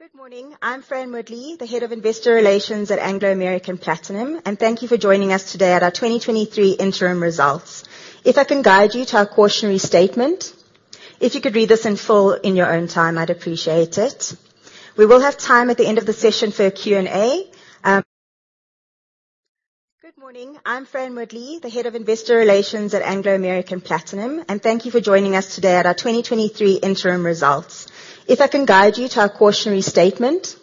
Good morning. I'm Franscelene Moodley, the Head of Investor Relations at Anglo American Platinum, and thank you for joining us today at our 2023 interim results. If I can guide you to our cautionary statement. If you could read this in full in your own time, I'd appreciate it. We will have time at the end of the session for a Q&A. Good morning. I'm Franscelene Moodley, the Head of Investor Relations at Anglo American Platinum, and thank you for joining us today at our 2023 interim results. If I can guide you to our cautionary statement.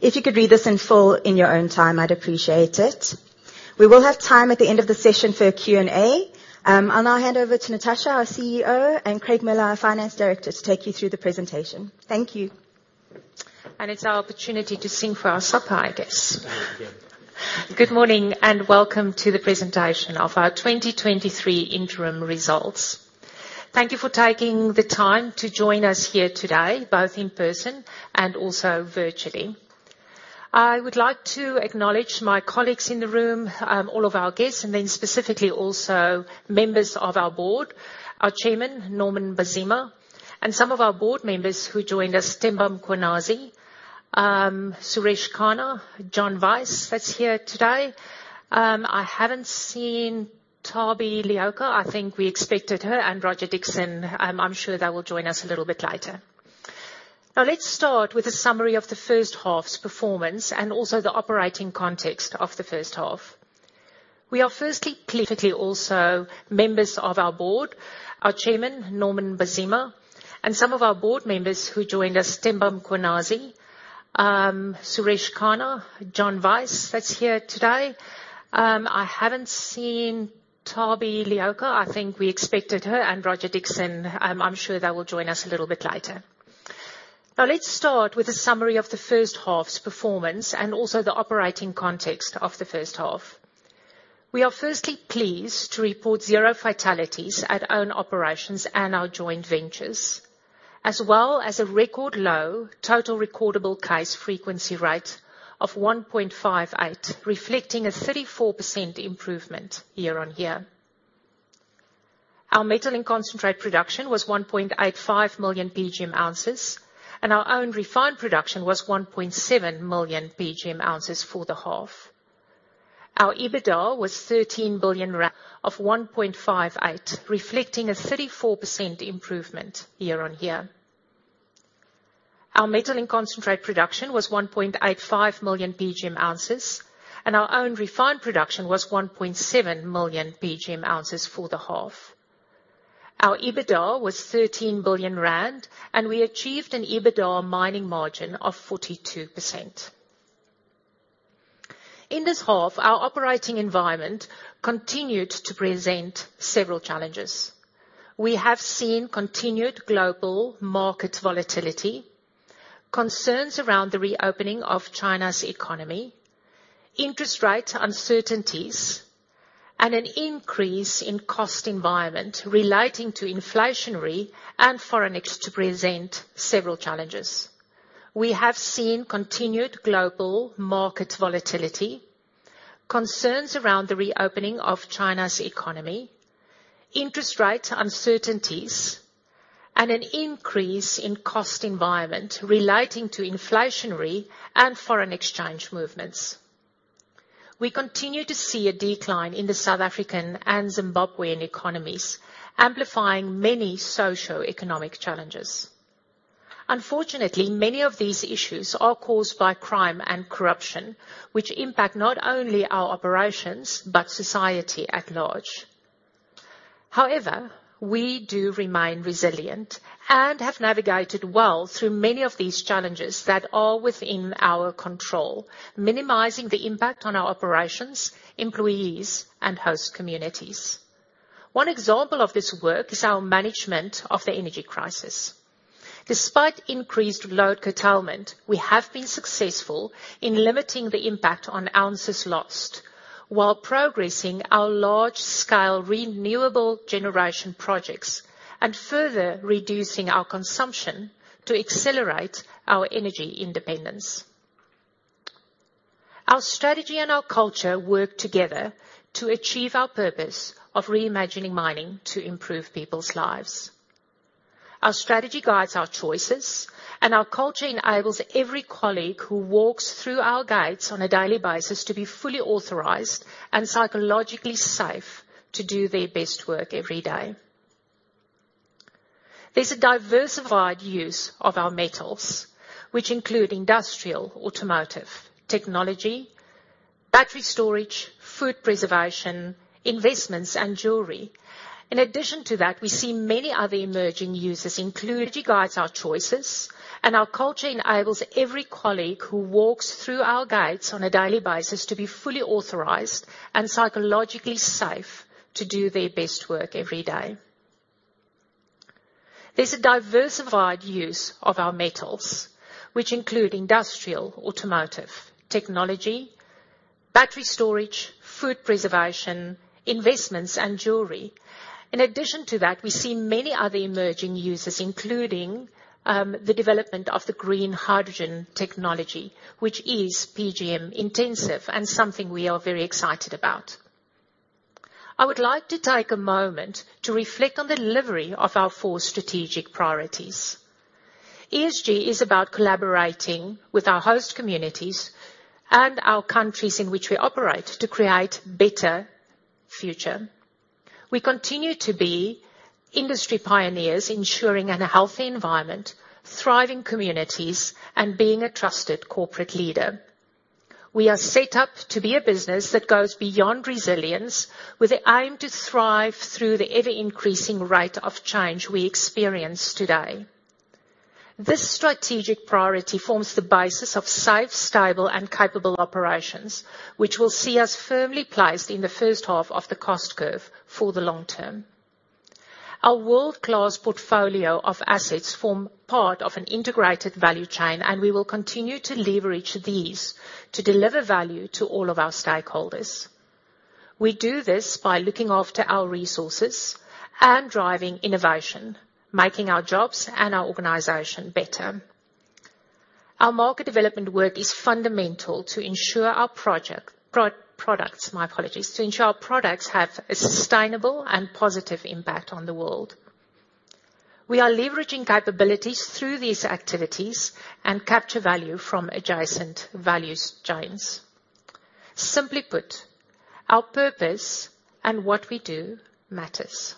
If you could read this in full in your own time, I'd appreciate it. We will have time at the end of the session for a Q&A. I'll now hand over to Natascha, our CEO, and Craig Miller, our Finance Director, to take you through the presentation. Thank you. It's our opportunity to sing for our supper, I guess. Good morning, welcome to the presentation of our 2023 interim results. Thank you for taking the time to join us here today, both in person and also virtually. I would like to acknowledge my colleagues in the room, all of our guests, specifically, also, members of our board: our Chairman, Norman Mbazima, and some of our board members who joined us, Themba Mkhwanazi, Suresh Kana, John Vice, that's here today. I haven't seen Thabi Leoka. I think we expected her, and Roger Dixon. I'm sure they will join us a little bit later. Let's start with a summary of the first half's performance and also the operating context of the first half. We are firstly, pleased to also... Members of our board, our chairman, Norman Mbazima, and some of our board members who joined us, Themba Mkhwanazi, Suresh Kana, John Vice, that's here today. I haven't seen Thabi Leoka. I think we expected her, and Roger Dixon. I'm sure they will join us a little bit later. Now, let's start with a summary of the first half's performance and also the operating context of the first half. We are firstly pleased to report zero fatalities at own operations and our joint ventures, as well as a record low total recordable case frequency rate of 1.58, reflecting a 34% improvement year-on-year. Our metal-in-concentrate production was 1.85 million PGM oz, and our own refined production was 1.7 million PGM oz for the half. Our EBITDA was 13 billion rand of 1.58, reflecting a 34% improvement year-on-year. Our metal-in-concentrate production was 1.85 million PGM oz, and our own refined production was 1.7 million PGM oz for the half. Our EBITDA was 13 billion rand, and we achieved an EBITDA mining margin of 42%. In this half, our operating environment continued to present several challenges. We have seen continued global market volatility, concerns around the reopening of China's economy, interest rate uncertainties, and an increase in cost environment relating to inflationary and foreign exchange movements. We continue to see a decline in the South African and Zimbabwean economies, amplifying many socioeconomic challenges. Unfortunately, many of these issues are caused by crime and corruption, which impact not only our operations, but society at large. However, we do remain resilient and have navigated well through many of these challenges that are within our control, minimizing the impact on our operations, employees, and host communities. One example of this work is our management of the energy crisis. Despite increased load curtailment, we have been successful in limiting the impact on ounces lost while progressing our large-scale renewable generation projects and further reducing our consumption to accelerate our energy independence. Our strategy and our culture work together to achieve our purpose of reimagining mining to improve people's lives. Our strategy guides our choices, and our culture enables every colleague who walks through our gates on a daily basis to be fully authorized and psychologically safe to do their best work every day. There's a diversified use of our metals, which include industrial, automotive, technology, battery storage, food preservation, investments, and jewelry. In addition to that, we see many other emerging users, including the development of the green hydrogen technology, which is PGM-intensive and something we are very excited about. I would like to take a moment to reflect on the delivery of our four strategic priorities. ESG is about collaborating with our host communities and our countries in which we operate to create better future. We continue to be industry pioneers, ensuring an healthy environment, thriving communities, and being a trusted corporate leader. We are set up to be a business that goes beyond resilience, with the aim to thrive through the ever-increasing rate of change we experience today. This strategic priority forms the basis of safe, stable, and capable operations, which will see us firmly placed in the first half of the cost curve for the long term. Our world-class portfolio of assets form part of an integrated value chain, and we will continue to leverage these to deliver value to all of our stakeholders. We do this by looking after our resources and driving innovation, making our jobs and our organization better. Our market development work is fundamental to ensure our products have a sustainable and positive impact on the world. We are leveraging capabilities through these activities and capture value from adjacent value chains. Simply put, our purpose and what we do matters.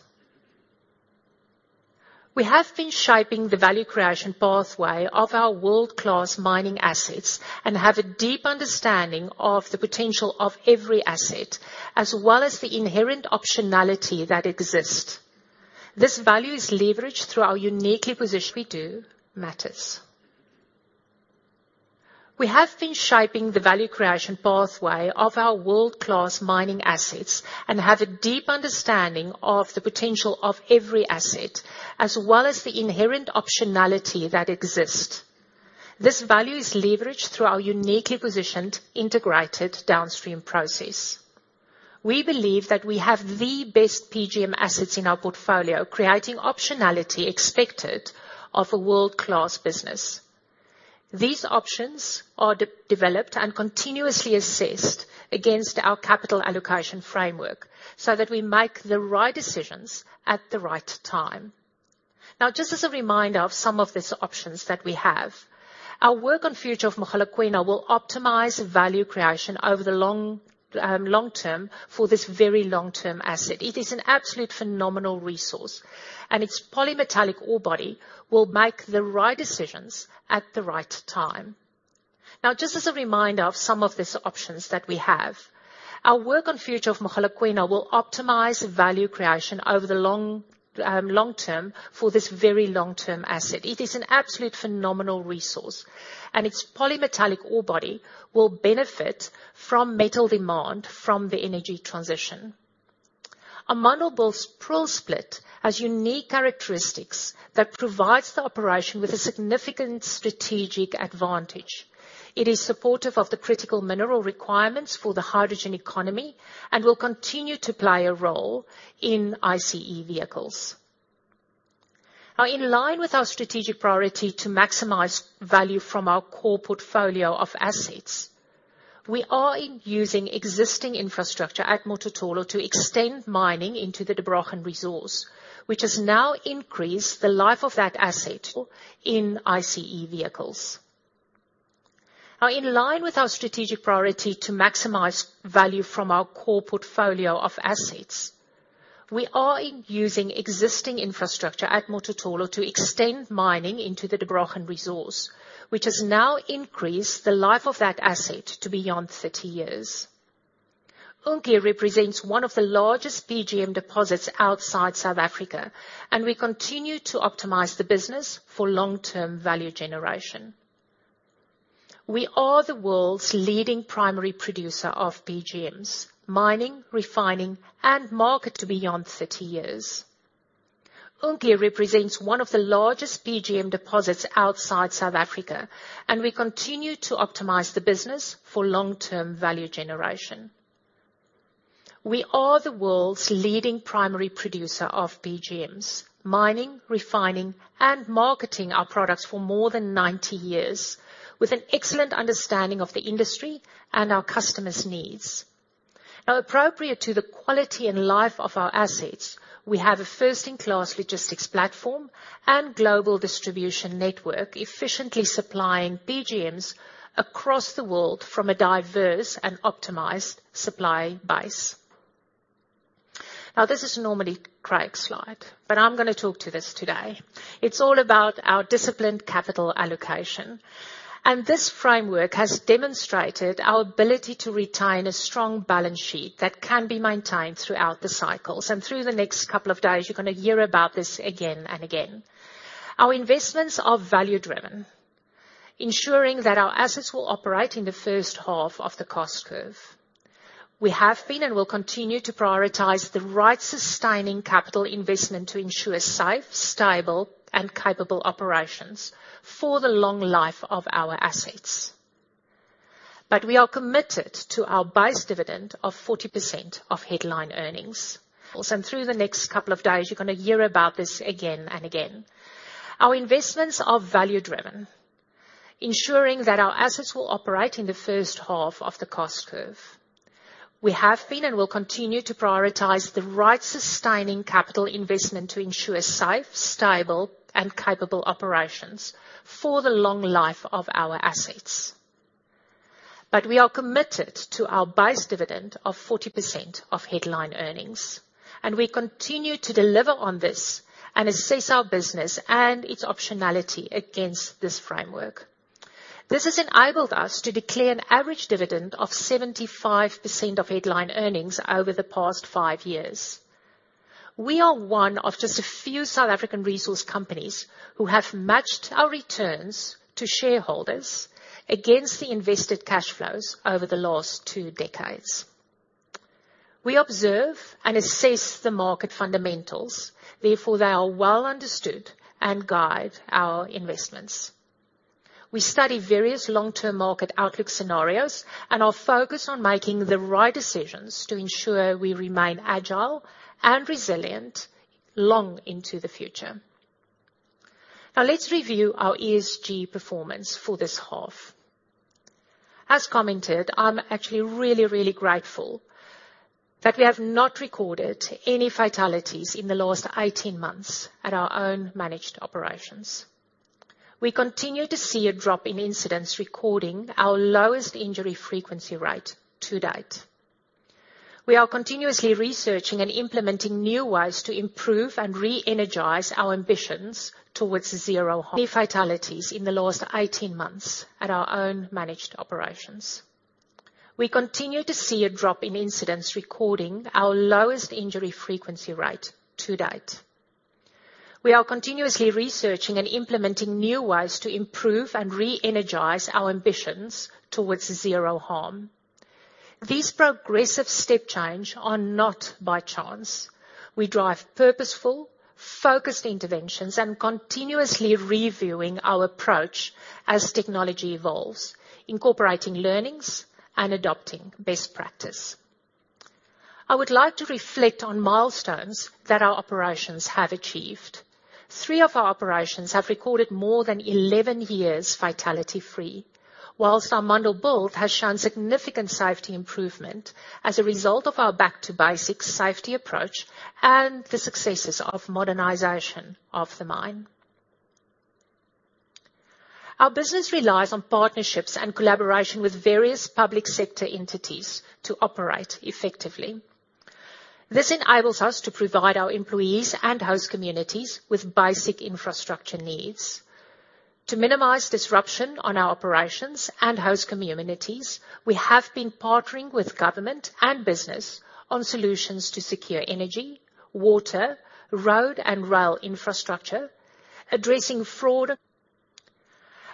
We have been shaping the value creation pathway of our world-class mining assets, and have a deep understanding of the potential of every asset, as well as the inherent optionality that exists. This value is leveraged through our uniquely positioned we do matters. This value is leveraged through our uniquely positioned, integrated downstream process. We believe that we have the best PGM assets in our portfolio, creating optionality expected of a world-class business. These options are de-developed and continuously assessed against our capital allocation framework, so that we make the right decisions at the right time. Now, just as a reminder of some of these options that we have, our work on future of Mogalakwena will optimize value creation over the long, long term for this very long-term asset. It is an absolute phenomenal resource, and its polymetallic ore body will make the right decisions at the right time. Now, just as a reminder of some of these options that we have, our work on future of Mogalakwena will optimize value creation over the long, long term for this very long-term asset. It is an absolute phenomenal resource, and its polymetallic ore body will benefit from metal demand from the energy transition. Amandelbult's prill split has unique characteristics that provides the operation with a significant strategic advantage. It is supportive of the critical mineral requirements for the hydrogen economy and will continue to play a role in ICE vehicles. In line with our strategic priority to maximize value from our core portfolio of assets, we are using existing infrastructure at Mototolo to extend mining into the Unki represents one of the largest PGM deposits outside South Africa. We continue to optimize the business for long-term value generation. We are the world's leading primary producer of PGMs, mining, refining, and market to beyond 30 years. Unki represents one of the largest PGM deposits outside South Africa. We continue to optimize the business for long-term value generation. We are the world's leading primary producer of PGMs, mining, refining, and marketing our products for more than 90 years, with an excellent understanding of the industry and our customers' needs. Appropriate to the quality and life of our assets, we have a first-in-class logistics platform and global distribution network, efficiently supplying PGMs across the world from a diverse and optimized supply base. This is normally Craig's slide, but I'm gonna talk to this today. It's all about our disciplined capital allocation. This framework has demonstrated our ability to retain a strong balance sheet that can be maintained throughout the cycles. Through the next couple of days, you're gonna hear about this again and again. Our investments are value-driven, ensuring that our assets will operate in the first half of the cost curve. We have been, and will continue to prioritize the right sustaining capital investment to ensure safe, stable, and capable operations for the long life of our assets. We are committed to our base dividend of 40% of headline earnings. Also, through the next couple of days, you're gonna hear about this again and again. Our investments are value-driven.... ensuring that our assets will operate in the first half of the cost curve. We have been and will continue to prioritize the right sustaining capital investment to ensure safe, stable, and capable operations for the long life of our assets. We are committed to our base dividend of 40% of headline earnings, and we continue to deliver on this and assess our business and its optionality against this framework. This has enabled us to declare an average dividend of 75% of headline earnings over the past five years. We are one of just a few South African resource companies who have matched our returns to shareholders against the invested cash flows over the last two decades. We observe and assess the market fundamentals, therefore, they are well understood and guide our investments. We study various long-term market outlook scenarios and are focused on making the right decisions to ensure we remain agile and resilient long into the future. Now, let's review our ESG performance for this half. As commented, I'm actually really grateful that we have not recorded any fatalities in the last 18 months at our own managed operations. We continue to see a drop in incidents, recording our lowest injury frequency rate to date. We are continuously researching and implementing new ways to improve and re-energize our ambitions towards zero harm. Fatalities in the last 18 months at our own managed operations. We continue to see a drop in incidents, recording our lowest injury frequency rate to date. We are continuously researching and implementing new ways to improve and re-energize our ambitions towards zero harm. These progressive step change are not by chance. We drive purposeful, focused interventions and continuously reviewing our approach as technology evolves, incorporating learnings and adopting best practice. I would like to reflect on milestones that our operations have achieved. Three of our operations have recorded more than 11 years fatality-free, whilst our Amandelbult has shown significant safety improvement as a result of our back to basics safety approach and the successes of modernization of the mine. Our business relies on partnerships and collaboration with various public sector entities to operate effectively. This enables us to provide our employees and host communities with basic infrastructure needs. To minimize disruption on our operations and host communities, we have been partnering with government and business on solutions to secure energy, water, road, and rail infrastructure, addressing fraud.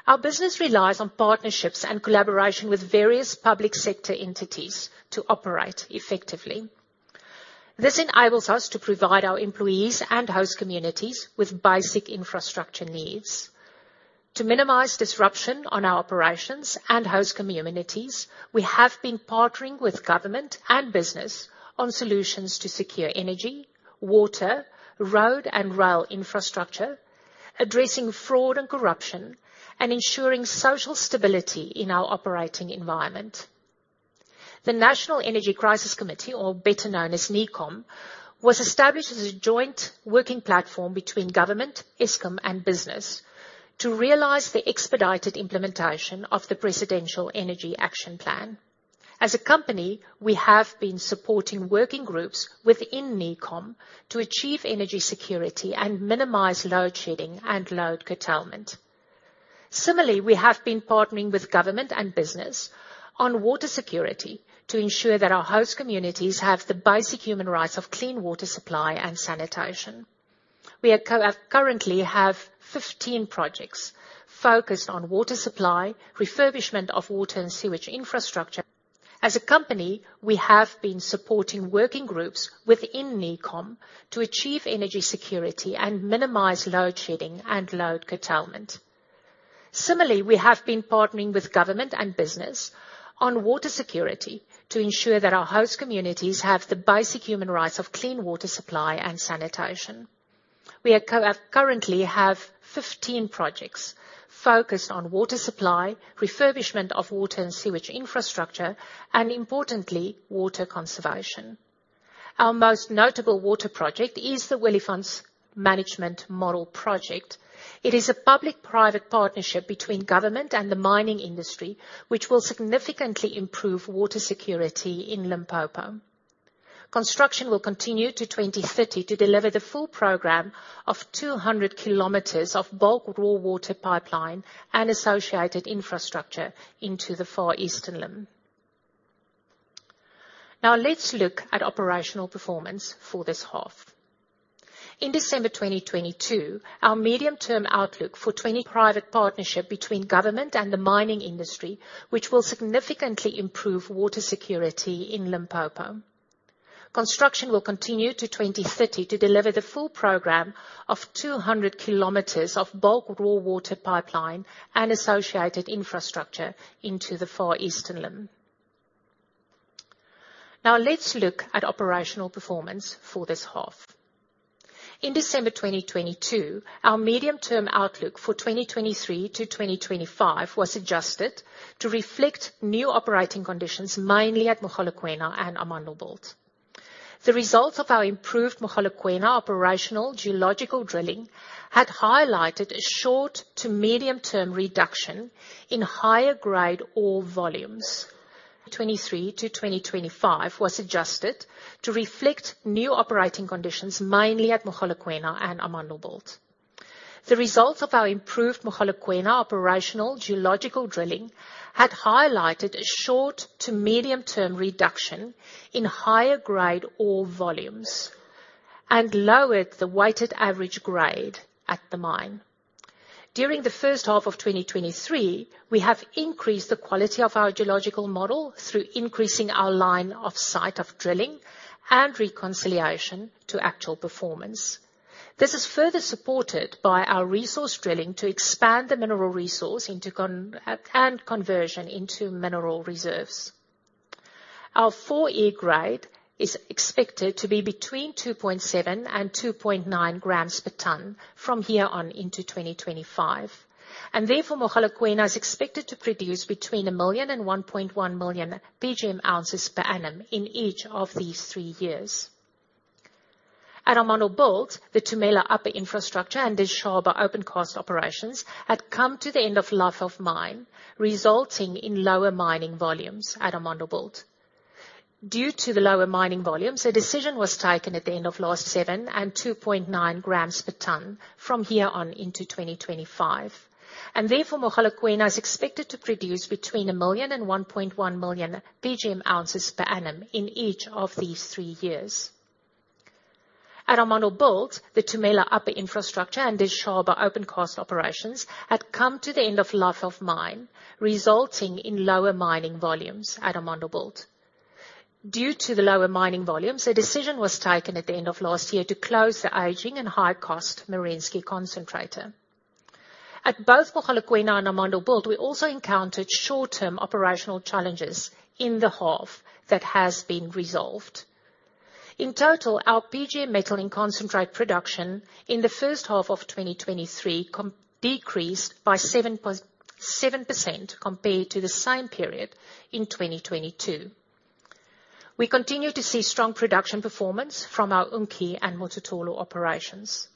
Our business relies on partnerships and collaboration with various public sector entities to operate effectively. This enables us to provide our employees and host communities with basic infrastructure needs. To minimize disruption on our operations and host communities, we have been partnering with government and business on solutions to secure energy, water, road, and rail infrastructure, addressing fraud and corruption, and ensuring social stability in our operating environment. The National Energy Crisis Committee, or better known as NECOM, was established as a joint working platform between government, Eskom, and business to realize the expedited implementation of the Presidential Energy Action Plan. As a company, we have been supporting working groups within NECOM to achieve energy security and minimize load shedding and load curtailment. We have been partnering with government and business on water security to ensure that our host communities have the basic human rights of clean water supply and sanitation. We currently have 15 projects focused on water supply, refurbishment of water and sewage infrastructure. As a company, we have been supporting working groups within NECOM to achieve energy security and minimize load shedding and load curtailment. Similarly, we have been partnering with government and business on water security to ensure that our host communities have the basic human rights of clean water supply and sanitation. We currently have 15 projects focused on water supply, refurbishment of water and sewage infrastructure, and importantly, water conservation. Our most notable water project is the Wilfontein Water Management Model Project. It is a public-private partnership between government and the mining industry, which will significantly improve water security in Limpopo. Construction will continue to 2030 to deliver the full program of 200 km of bulk raw water pipeline and associated infrastructure into the Far Eastern Limb. Now, let's look at operational performance for this half. In December 2022, our medium-term outlook for private partnership between government and the mining industry, which will significantly improve water security in Limpopo. Construction will continue to 2030 to deliver the full program of 200 kilometers of bulk raw water pipeline and associated infrastructure into the Far Eastern Limb. Let's look at operational performance for this half. In December 2022, our medium-term outlook for 2023-2025 was adjusted to reflect new operating conditions, mainly at Mogalakwena and Amandelbult. The results of our improved Mogalakwena operational geological drilling had highlighted a short to medium-term reduction in higher grade ore volumes. 2023-2025 was adjusted to reflect new operating conditions, mainly at Mogalakwena and Amandelbult. The results of our improved Mogalakwena operational geological drilling had highlighted a short to medium-term reduction in higher grade ore volumes, and lowered the weighted average grade at the mine. During the first half of 2023, we have increased the quality of our geological model through increasing our line of sight of drilling and reconciliation to actual performance. This is further supported by our resource drilling to expand the mineral resource into and conversion into mineral reserves. Our full-year grade is expected to be between 2.7 and 2.9 grams per tonne from here on into 2025, and therefore, Mogalakwena is expected to produce between 1 million and 1.1 million PGM oz per annum in each of these three years. At Amandelbult, the Tumela upper infrastructure and the Schaapkraal open cast operations had come to the end of life of mine, resulting in lower mining volumes at Amandelbult. Due to the lower mining volumes, a decision was taken at the end of last 7.9 grams per tonne from here on into 2025, and therefore, Mogalakwena is expected to produce between 1 million and 1.1 million PGM oz per annum in each of these three years. At Amandelbult, the Tumela upper infrastructure and the Schaapkraal open cast operations had come to the end of life of mine, resulting in lower mining volumes at Amandelbult. Due to the lower mining volumes, a decision was taken at the end of last year to close the aging and high-cost Merensky concentrator. At both Mogalakwena and Amandelbult, we also encountered short-term operational challenges in the half that has been resolved. In total, our PGM metal in concentrate production in the first half of 2023 decreased by 7% compared to the same period in 2022. We continue to see strong production performance from our Unki and Mototolo operations.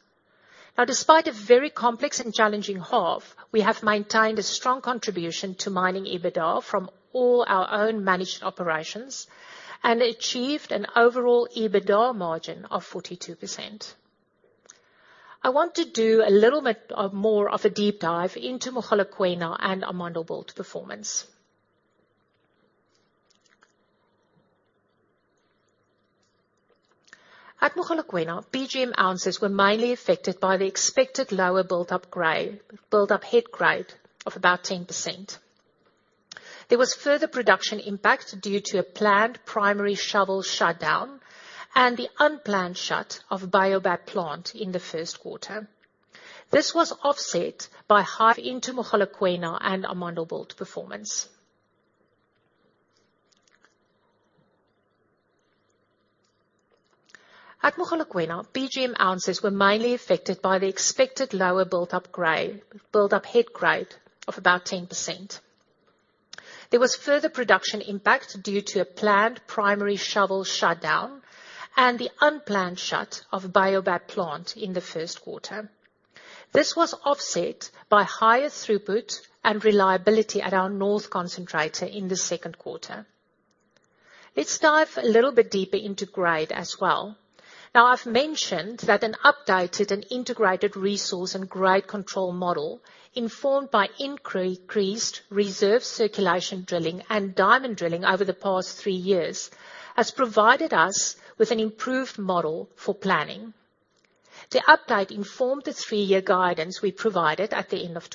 Despite a very complex and challenging half, we have maintained a strong contribution to mining EBITDA from all our own managed operations and achieved an overall EBITDA margin of 42%. I want to do a little bit more of a deep dive into Mogalakwena and Amandelbult performance. At Mogalakwena, PGM ounces were mainly affected by the expected lower built-up grade, built-up head grade of about 10%. There was further production impact due to a planned primary shovel shutdown and the unplanned shut of bio-oxidation plant in the first quarter. This was offset by into Mogalakwena and Amandelbult performance. At Mogalakwena, PGM ounces were mainly affected by the expected lower built-up grade, built-up head grade of about 10%. There was further production impact due to a planned primary shovel shutdown and the unplanned shut of bio-oxidation plant in the first quarter. This was offset by higher throughput and reliability at our North concentrator in the second quarter. Let's dive a little bit deeper into grade as well. I've mentioned that an updated and integrated resource and grade control model, informed by increased reserve circulation drilling and diamond drilling over the past three years, has provided us with an improved model for planning. The update informed the three year guidance we provided at the end of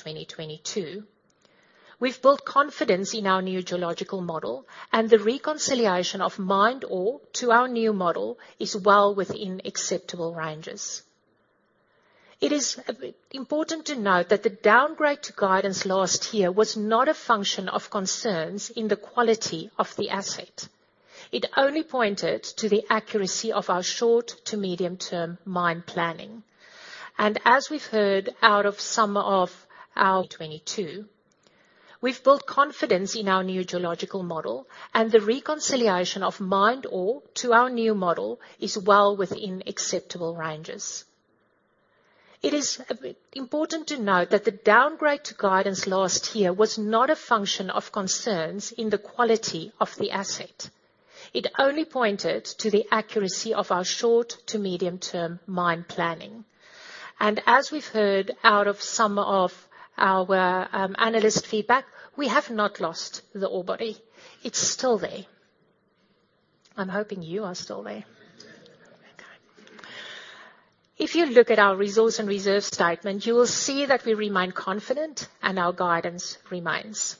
2022. We've built confidence in our new geological model, and the reconciliation of mined ore to our new model is well within acceptable ranges. It is important to note that the downgrade to guidance last year was not a function of concerns in the quality of the asset. It only pointed to the accuracy of our short to medium-term mine planning. As we've heard out of some of our analyst feedback, we have not lost the ore body. It's still there. I'm hoping you are still there. Okay. If you look at our resource and reserve statement, you will see that we remain confident and our guidance remains.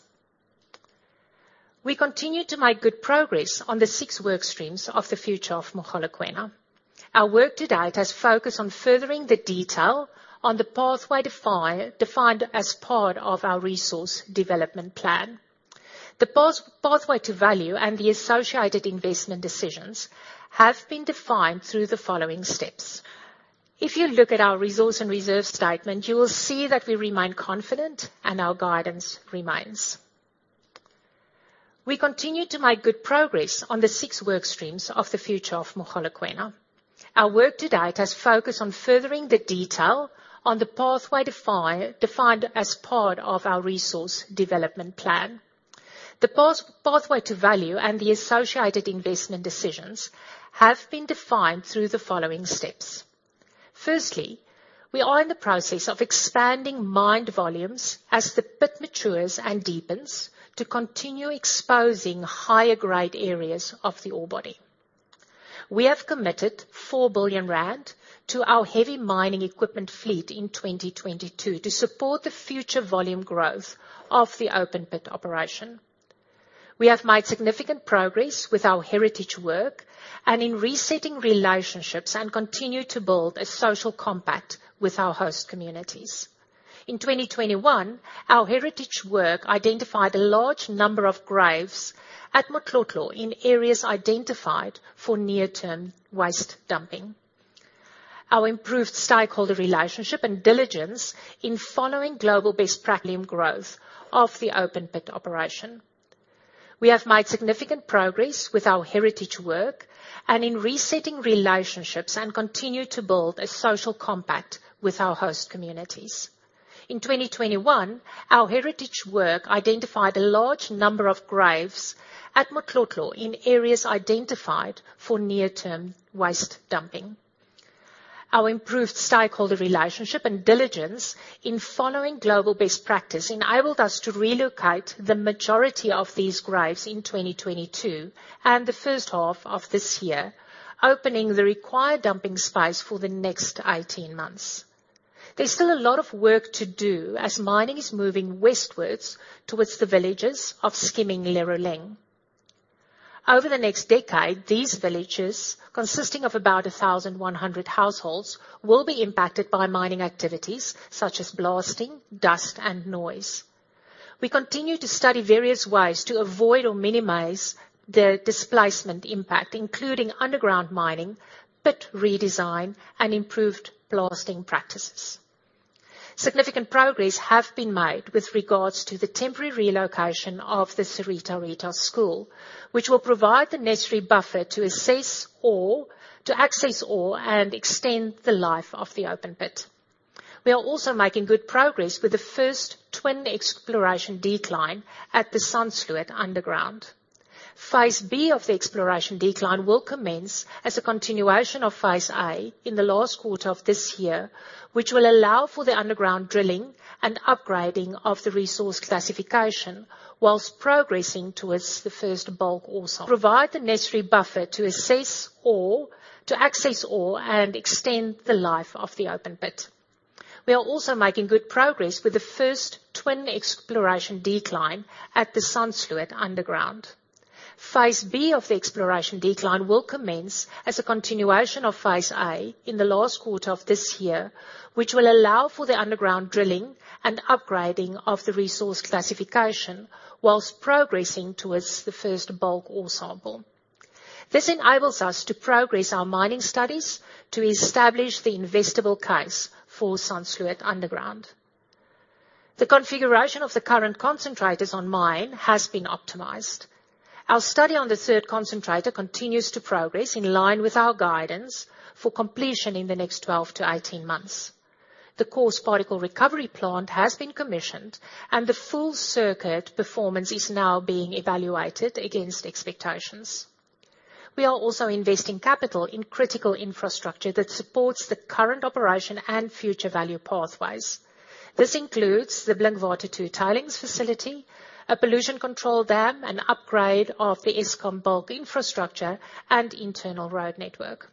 We continue to make good progress on the six work streams of the future of Mogalakwena. Our work to date has focused on furthering the detail on the pathway defined as part of our resource development plan. The pathway to value and the associated investment decisions have been defined through the following steps. If you look at our resource and reserve statement, you will see that we remain confident and our guidance remains. We continue to make good progress on the six work streams of the future of Mogalakwena. Our work to date has focused on furthering the detail on the pathway defined as part of our resource development plan. The pathway to value and the associated investment decisions have been defined through the following steps: firstly, we are in the process of expanding mined volumes as the pit matures and deepens, to continue exposing higher grade areas of the ore body. We have committed 4 billion rand to our heavy mining equipment fleet in 2022 to support the future volume growth of the open pit operation. We have made significant progress with our heritage work and in resetting relationships, and continue to build a social compact with our host communities. In 2021, our heritage work identified a large number of graves at Motlotlo in areas identified for near-term waste dumping. Our improved stakeholder relationship and diligence in following global best practice and growth of the open pit operation. We have made significant progress with our heritage work and in resetting relationships, and continue to build a social compact with our host communities. In 2021, our heritage work identified a large number of graves at Motlotlo in areas identified for near-term waste dumping. Our improved stakeholder relationship and diligence in following global best practice enabled us to relocate the majority of these graves in 2022 and the first half of this year, opening the required dumping space for the next 18 months. There's still a lot of work to do as mining is moving westwards towards the villages of Skiming and Leruleng. Over the next decade, these villages, consisting of about 1,100 households, will be impacted by mining activities such as blasting, dust, and noise. We continue to study various ways to avoid or minimize the displacement impact, including underground mining, pit redesign, and improved blasting practices. Significant progress have been made with regards to the temporary relocation of the St. Rita's School, which will provide the necessary buffer to access ore and extend the life of the open pit. We are also making good progress with the first twin exploration decline at the Sandsloot underground. Phase B of the exploration decline will commence as a continuation of phase A in the last quarter of this year, which will allow for the underground drilling and upgrading of the resource classification, whilst progressing towards the first bulk ore sample. Provide the necessary buffer to assess ore, to access ore, and extend the life of the open pit. We are also making good progress with the first twin exploration decline at the Sandsloot underground. Phase B of the exploration decline will commence as a continuation of phase A in the last quarter of this year, which will allow for the underground drilling and upgrading of the resource classification whilst progressing towards the first bulk ore sample. This enables us to progress our mining studies to establish the investable case for Sandsloot underground. The configuration of the current concentrators on mine has been optimized. Our study on the third concentrator continues to progress in line with our guidance for completion in the next 12 to 18 months. The coarse particle recovery plant has been commissioned, and the full circuit performance is now being evaluated against expectations. We are also investing capital in critical infrastructure that supports the current operation and future value pathways. This includes the Blinkwater 2 tailings facility, a pollution control dam, an upgrade of the Eskom bulk infrastructure, and internal road network.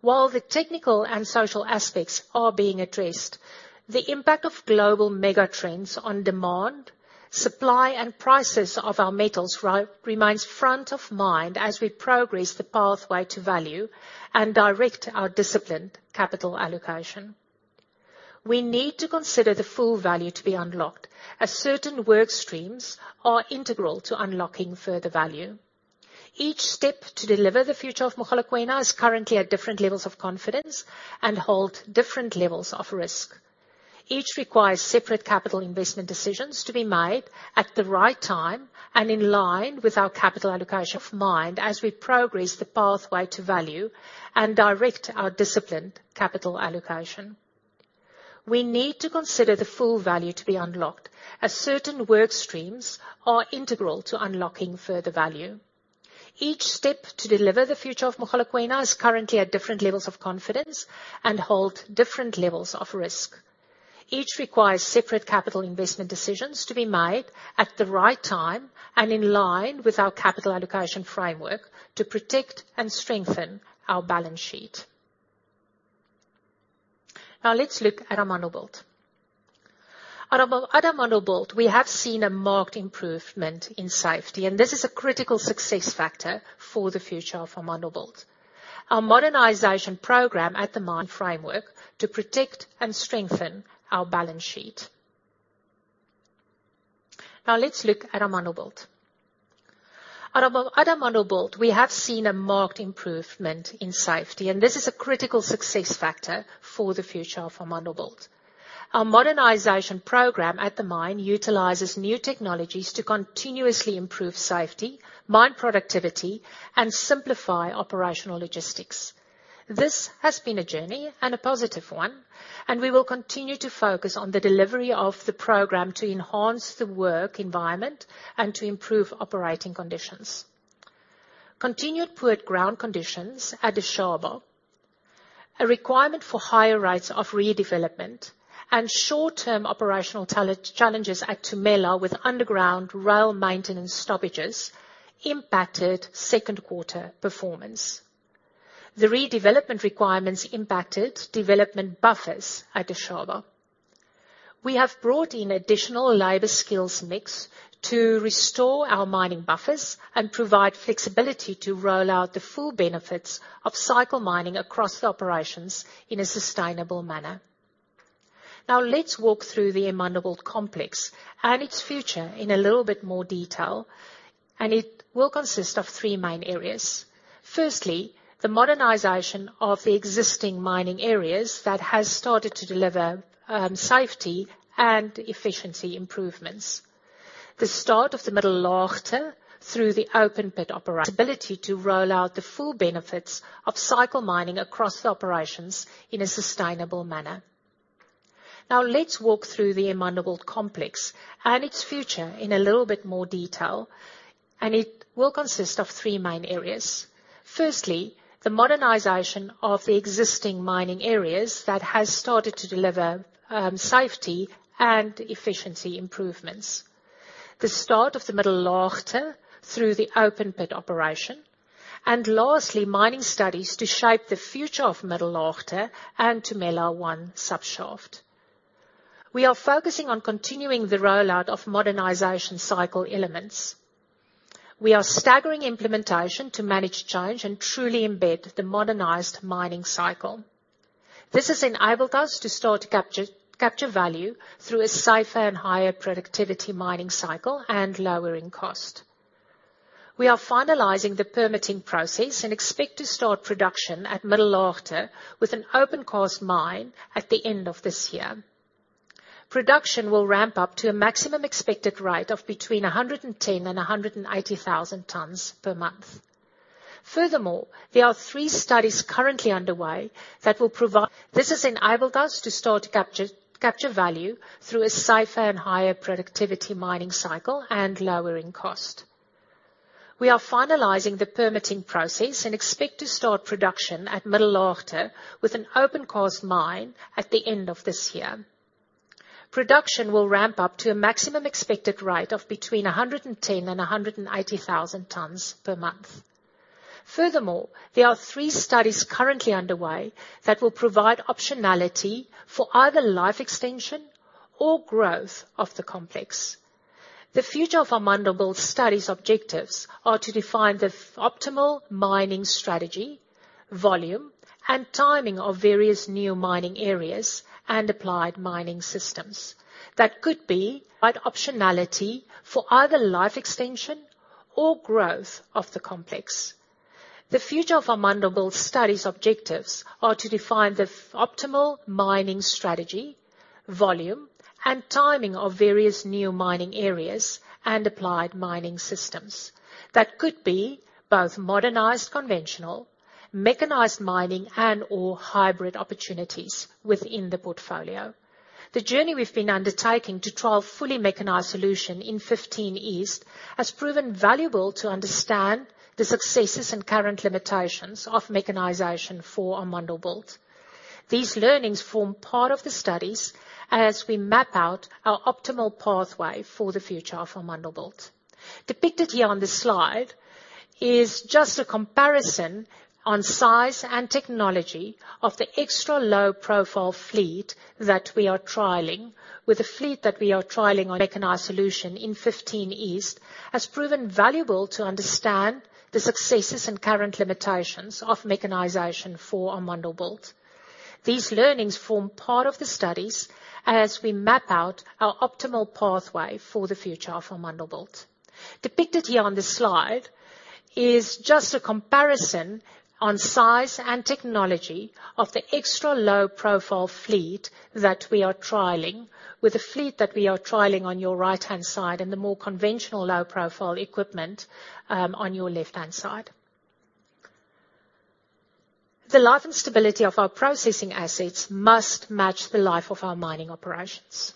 While the technical and social aspects are being addressed, the impact of global mega trends on demand, supply, and prices of our metals remains front of mind as we progress the pathway to value and direct our disciplined capital allocation. We need to consider the full value to be unlocked, as certain work streams are integral to unlocking further value. Each step to deliver the future of Mogalakwena is currently at different levels of confidence and hold different levels of risk. Each requires separate capital investment decisions to be made at the right time and in line with our capital allocation of mind as we progress the pathway to value and direct our disciplined capital allocation. We need to consider the full value to be unlocked, as certain work streams are integral to unlocking further value. Each step to deliver the future of Mogalakwena is currently at different levels of confidence and hold different levels of risk. Each requires separate capital investment decisions to be made at the right time and in line with our capital allocation framework to protect and strengthen our balance sheet. Let's look at Amandelbult. At Amandelbult, we have seen a marked improvement in safety, and this is a critical success factor for the future of Amandelbult. Our modernization program at the mine utilizes new technologies to continuously improve safety, mine productivity, and simplify operational logistics. This has been a journey and a positive one, and we will continue to focus on the delivery of the program to enhance the work environment and to improve operating conditions. Continued poor ground conditions at Dishaba, a requirement for higher rates of redevelopment, and short-term operational challenges at Tumela with underground rail maintenance stoppages impacted second quarter performance. The redevelopment requirements impacted development buffers at Dishaba. We have brought in additional labor skills mix to restore our mining buffers and provide flexibility to roll out the full benefits of cycle mining across the operations in a sustainable manner. Now let's walk through the Amandelbult complex and its future in a little bit more detail, and it will consist of three main areas. Firstly, the modernization of the existing mining areas that has started to deliver safety and efficiency improvements. The start of the Middellaagte through the open pit operation. Ability to roll out the full benefits of cycle mining across the operations in a sustainable manner. Let's walk through the Amandelbult complex and its future in a little bit more detail. It will consist of three main areas. Firstly, the modernization of the existing mining areas that has started to deliver safety and efficiency improvements. The start of the Middellaagte through the open pit operation. Lastly, mining studies to shape the future of Middellaagte and Tumela 1 Sub Shaft. We are focusing on continuing the rollout of modernization cycle elements. We are staggering implementation to manage change and truly embed the modernized mining cycle. This has enabled us to start capture value through a safer and higher productivity mining cycle and lowering cost. We are finalizing the permitting process and expect to start production at Middellaagte with an open cast mine at the end of this year. Production will ramp up to a maximum expected rate of between 110 and 180,000 tons per month. Furthermore, there are three studies currently underway. This has enabled us to start capture value through a safer and higher productivity mining cycle and lowering cost. We are finalizing the permitting process and expect to start production at Middellaagte with an open cast mine at the end of this year. Production will ramp up to a maximum expected rate of between 110 and 180,000 tons per month. Furthermore, there are three studies currently underway that will provide optionality for either life extension or growth of the complex. The future of Amandelbult studies objectives are to define the optimal mining strategy, volume, and timing of various new mining areas and applied mining systems. That could be by optionality for either life extension or growth of the complex. The future of Amandelbult studies objectives are to define the optimal mining strategy, volume, and timing of various new mining areas and applied mining systems. That could be both modernized, conventional, mechanized mining, and/or hybrid opportunities within the portfolio. The journey we've been undertaking to trial a fully mechanized solution in Fifteen East has proven valuable to understand the successes and current limitations of mechanization for Amandelbult. These learnings form part of the studies as we map out our optimal pathway for the future of Amandelbult. Depicted here on this slide is just a comparison on size and technology of the extra-low-profile fleet that we are trialing. With the fleet that we are trialing on mechanized solution in 15 East has proven valuable to understand the successes and current limitations of mechanization for Amandelbult. These learnings form part of the studies as we map out our optimal pathway for the future of Amandelbult. Depicted here on this slide is just a comparison on size and technology of the extra-low-profile fleet that we are trialing, with the fleet that we are trialing on your right-hand side, and the more conventional low-profile equipment on your left-hand side. The life and stability of our processing assets must match the life of our mining operations.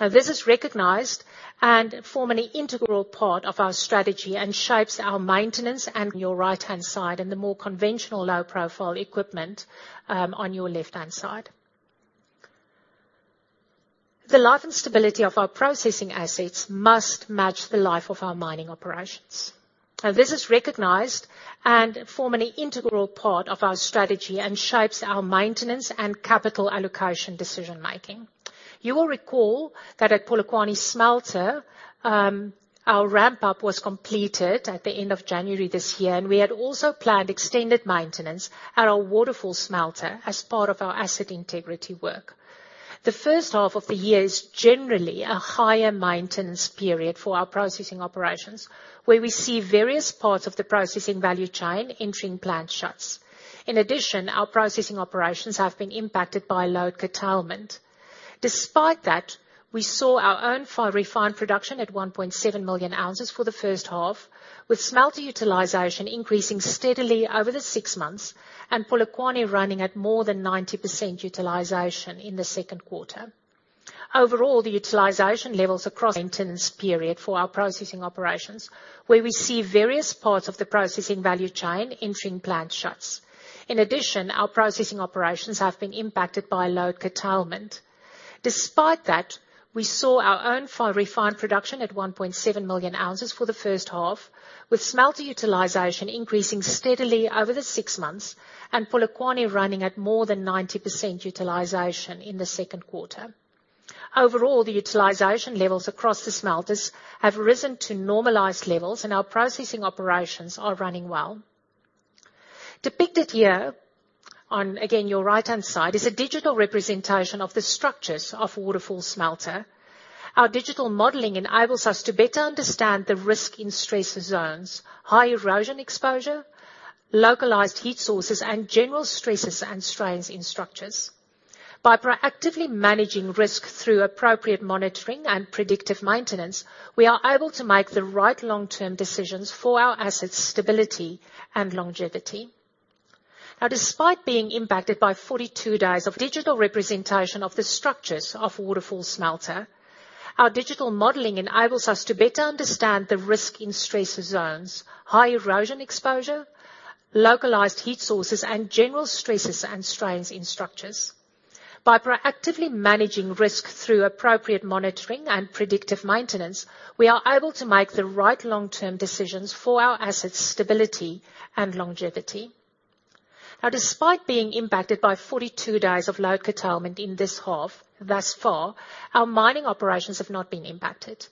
Now, this is recognized and form an integral part of our strategy and shapes our maintenance on your right-hand side, and the more conventional low-profile equipment, on your left-hand side. The life and stability of our processing assets must match the life of our mining operations. Now, this is recognized and form an integral part of our strategy and shapes our maintenance and capital allocation decision making. You will recall that at Polokwane smelter, our ramp up was completed at the end of January this year. We had also planned extended maintenance at our Waterval Smelter as part of our asset integrity work. The first half of the year is generally a higher maintenance period for our processing operations, where we see various parts of the processing value chain entering plant shuts. In addition, our processing operations have been impacted by load curtailment. Despite that, we saw our own fine refined production at 1.7 million oz for the first half, with smelter utilization increasing steadily over the six months, and Polokwane running at more than 90% utilization in the second quarter. Overall, the utilization levels across maintenance period for our processing operations, where we see various parts of the processing value chain entering plant shuts. In addition, our processing operations have been impacted by load curtailment. Despite that, we saw our own fine refined production at 1.7 million oz for the first half, with smelter utilization increasing steadily over the six months, and Polokwane running at more than 90% utilization in the second quarter. Overall, the utilization levels across the smelters have risen to normalized levels, and our processing operations are running well. Depicted here, on, again, your right-hand side, is a digital representation of the structures of Waterval Smelter. Our digital modeling enables us to better understand the risk in stress zones, high erosion exposure, localized heat sources, and general stresses and strains in structures. By proactively managing risk through appropriate monitoring and predictive maintenance, we are able to make the right long-term decisions for our assets, stability, and longevity. Now, despite being impacted by 42 days of digital representation of the structures of Waterval Smelter, our digital modeling enables us to better understand the risk in stress zones, high erosion exposure, localized heat sources, and general stresses and strains in structures. By proactively managing risk through appropriate monitoring and predictive maintenance, we are able to make the right long-term decisions for our assets, stability, and longevity. Despite being impacted by 42 days of load curtailment in this half, thus far, our mining operations have not been impacted.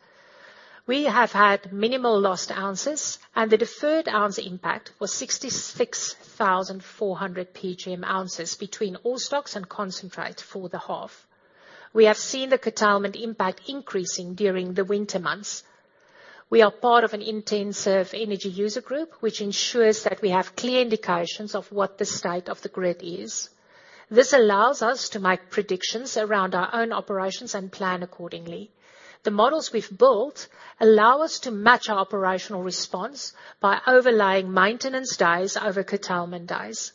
We have had minimal lost ounces, and the deferred ounce impact was 66,400 PGM oz between all stocks and concentrate for the half. We have seen the curtailment impact increasing during the winter months. We are part of an intensive energy user group, which ensures that we have clear indications of what the state of the grid is. This allows us to make predictions around our own operations and plan accordingly. The models we've built allow us to match our operational response by overlaying maintenance days over curtailment days.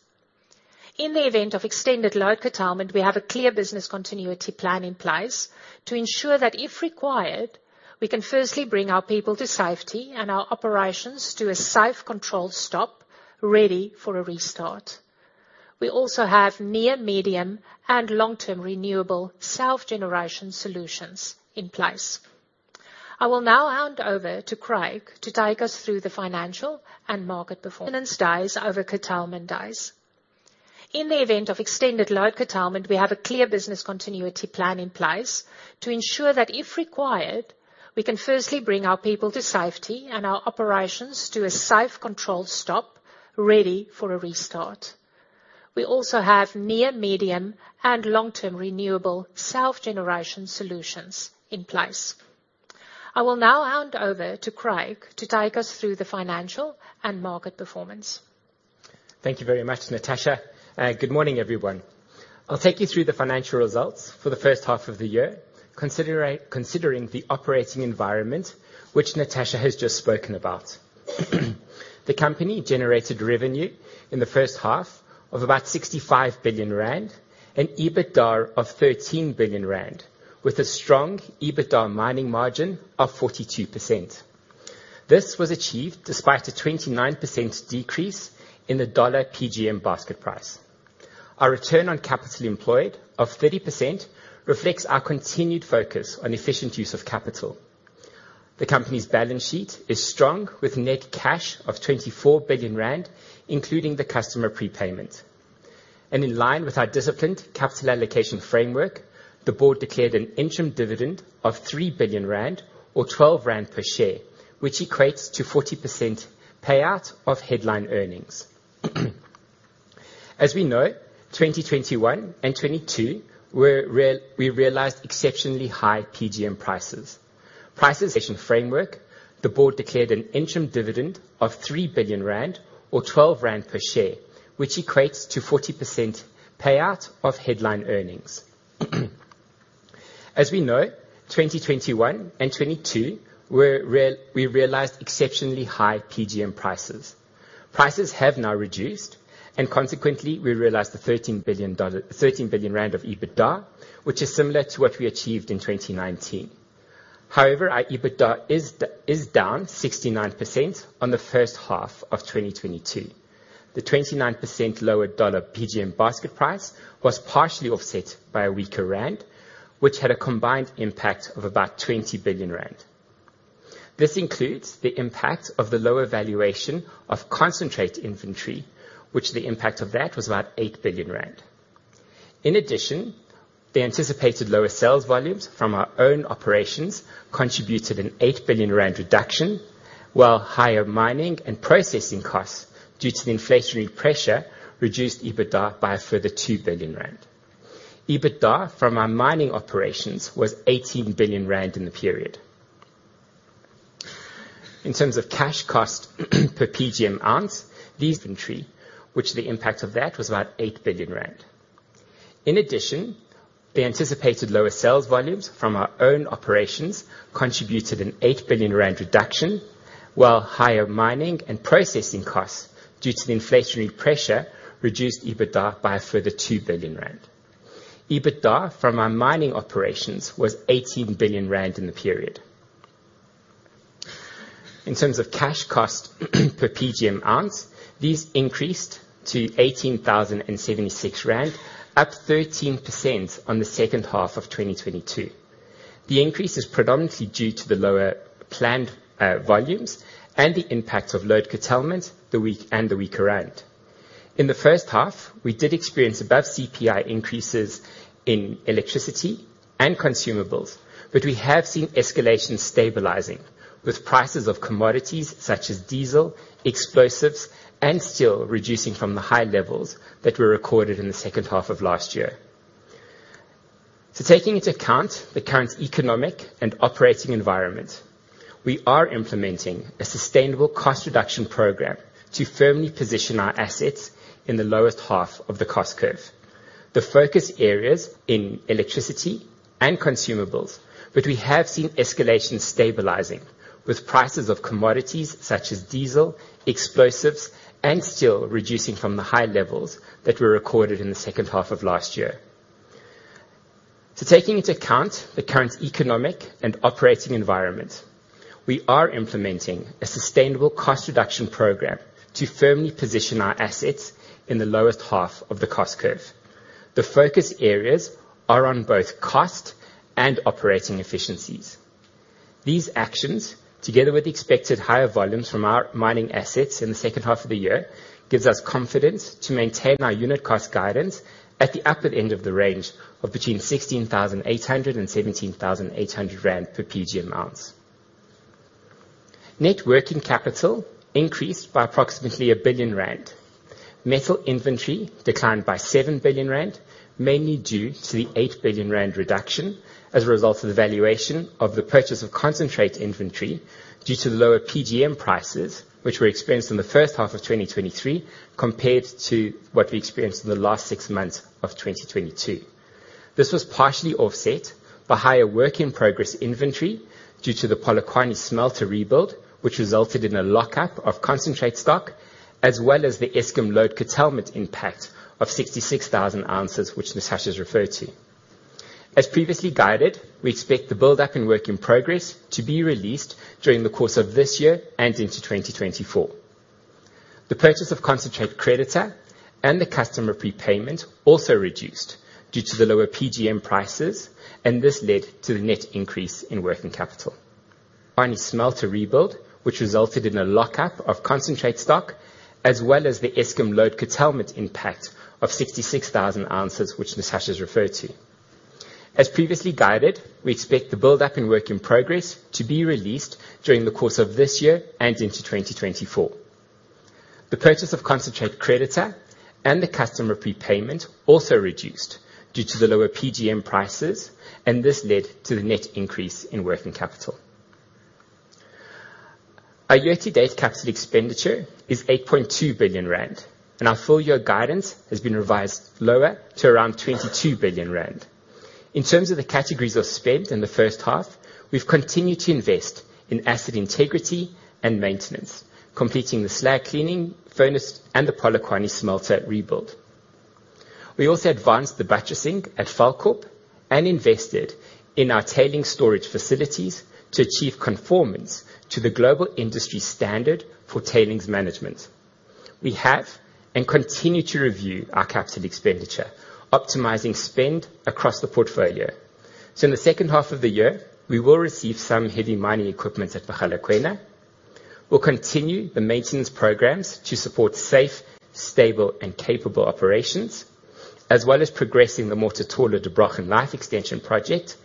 In the event of extended load curtailment, we have a clear business continuity plan in place to ensure that, if required, we can firstly bring our people to safety and our operations to a safe, controlled stop, ready for a restart. We also have near, medium, and long-term renewable self-generation solutions in place. I will now hand over to Craig to take us through the financial and market performance. Maintenance days over curtailment days. In the event of extended load curtailment, we have a clear business continuity plan in place to ensure that, if required, we can firstly bring our people to safety and our operations to a safe, controlled stop, ready for a restart. We also have near, medium, and long-term renewable self-generation solutions in place. I will now hand over to Craig to take us through the financial and market performance. Thank you very much, Natascha. Good morning, everyone. I'll take you through the financial results for the first half of the year, considering the operating environment, which Natascha has just spoken about. The company generated revenue in the first half of about 65 billion rand and EBITDA of 13 billion rand, with a strong EBITDA mining margin of 42%. This was achieved despite a 29% decrease in the dollar PGM basket price. Our return on capital employed of 30% reflects our continued focus on efficient use of capital. The company's balance sheet is strong, with net cash of 24 billion rand, including the customer prepayment. In line with our disciplined capital allocation framework, the board declared an interim dividend of 3 billion rand, or 12 rand per share, which equates to 40% payout of headline earnings. As we know, 2021 and 2022 were realized exceptionally high PGM prices. Prices allocation framework, the board declared an interim dividend of 3 billion rand, or 12 rand per share, which equates to 40% payout of headline earnings. As we know, 2021 and 2022 were realized exceptionally high PGM prices. Prices have now reduced, and consequently, we realized the 13 billion of EBITDA, which is similar to what we achieved in 2019. However, our EBITDA is down 69% on the first half of 2022. The 29% lower dollar PGM basket price was partially offset by a weaker rand, which had a combined impact of about 20 billion rand. This includes the impact of the lower valuation of concentrate inventory, which the impact of that was about 8 billion rand. In addition, the anticipated lower sales volumes from our own operations contributed a 8 billion rand reduction, while higher mining and processing costs, due to the inflationary pressure, reduced EBITDA by a further 2 billion rand. EBITDA from our mining operations was 18 billion rand in the period. In terms of cash cost per PGM ounce, these entry, which the impact of that was about 8 billion rand. In addition, the anticipated lower sales volumes from our own operations contributed a 8 billion rand reduction, while higher mining and processing costs, due to the inflationary pressure, reduced EBITDA by a further 2 billion rand. EBITDA from our mining operations was 18 billion rand in the period. In terms of cash cost per PGM ounce, these increased to 18,076 rand, up 13% on the second half of 2022. The increase is predominantly due to the lower planned volumes and the impact of load curtailment, and the weaker rand. In the first half, we did experience above CPI increases in electricity and consumables, but we have seen escalation stabilizing, with prices of commodities such as diesel, explosives, and steel, reducing from the high levels that were recorded in the second half of last year. Taking into account the current economic and operating environment, we are implementing a sustainable cost reduction program to firmly position our assets in the lowest half of the cost curve. The focus areas in electricity and consumables, we have seen escalation stabilizing, with prices of commodities such as diesel, explosives, and steel, reducing from the high levels that were recorded in the second half of last year. Taking into account the current economic and operating environment, we are implementing a sustainable cost reduction program to firmly position our assets in the lowest half of the cost curve. The focus areas are on both cost and operating efficiencies. These actions, together with the expected higher volumes from our mining assets in the second half of the year, gives us confidence to maintain our unit cost guidance at the upper end of the range of between 16,800 and 17,800 rand per PGM ounce. Net working capital increased by approximately 1 billion rand. Metal inventory declined by 7 billion rand, mainly due to the 8 billion rand reduction as a result of the valuation of the purchase of concentrate inventory, due to the lower PGM prices, which were experienced in the first half of 2023, compared to what we experienced in the last six months of 2022. This was partially offset by higher work in progress inventory, due to the Polokwane smelter rebuild, which resulted in a lockup of concentrate stock, as well as the Eskom load curtailment impact of 66,000 oz, which Natascha's referred to. As previously guided, we expect the build-up and work in progress to be released during the course of this year and into 2024. The purchase of concentrate creditor and the customer prepayment also reduced due to the lower PGM prices, and this led to the net increase in working capital. On smelter rebuild, which resulted in a lockup of concentrate stock, as well as the Eskom load curtailment impact of 66,000 oz, which Natascha's referred to. As previously guided, we expect the build-up and work in progress to be released during the course of this year and into 2024. The purchase of concentrate creditor and the customer prepayment also reduced due to the lower PGM prices, and this led to the net increase in working capital. Our year-to-date capital expenditure is 8.2 billion rand, and our full year guidance has been revised lower to around 22 billion rand. In terms of the categories of spend in the first half, we've continued to invest in asset integrity and maintenance, completing the slag cleaning furnace and the Polokwane smelter rebuild. We also advanced the batching at Vaalkop and invested in our tailings storage facilities to achieve conformance to the Global Industry Standard on Tailings Management. We have and continue to review our CapEx, optimizing spend across the portfolio. In the second half of the year, we will receive some heavy mining equipment at Mogalakwena. We'll continue the maintenance programs to support safe, stable, and capable operations, as well as progressing the Mototolo-Der Brochen life extension project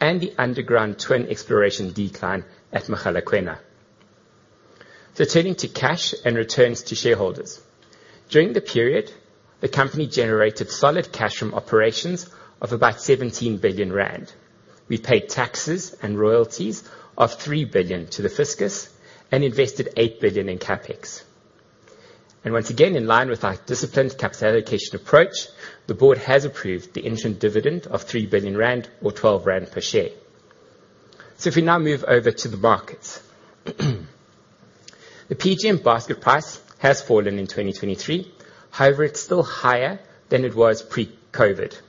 and the underground twin exploration decline at Mogalakwena. Turning to cash and returns to shareholders. During the period, the company generated solid cash from operations of about 17 billion rand. We paid taxes and royalties of 3 billion to the fiscus and invested 8 billion in CapEx. Once again, in line with our disciplined capital allocation approach, the board has approved the interim dividend of 3 billion rand or 12 rand per share. If we now move over to the markets. The PGM basket price has fallen in 2023, however, it's still higher than it was pre-COVID.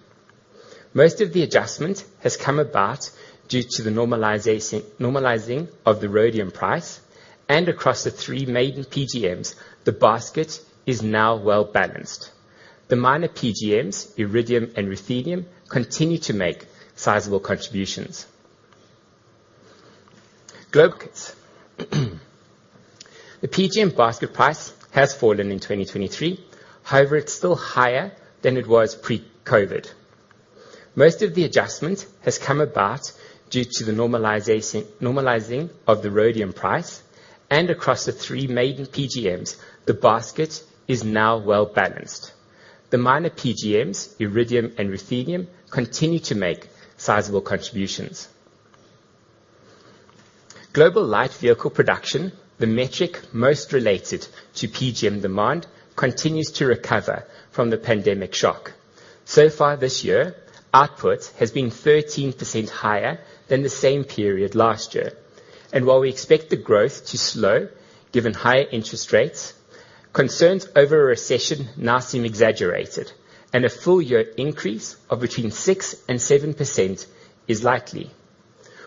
Most of the adjustment has come about due to the normalizing of the rhodium price, and across the three main PGMs, the basket is now well-balanced. The minor PGMs, iridium and ruthenium, continue to make sizable contributions. Global light vehicle production, the metric most related to PGM demand, continues to recover from the pandemic shock. So far this year, output has been 13% higher than the same period last year, and while we expect the growth to slow, given higher interest rates, concerns over a recession now seem exaggerated, and a full year increase of between 6% and 7% is likely.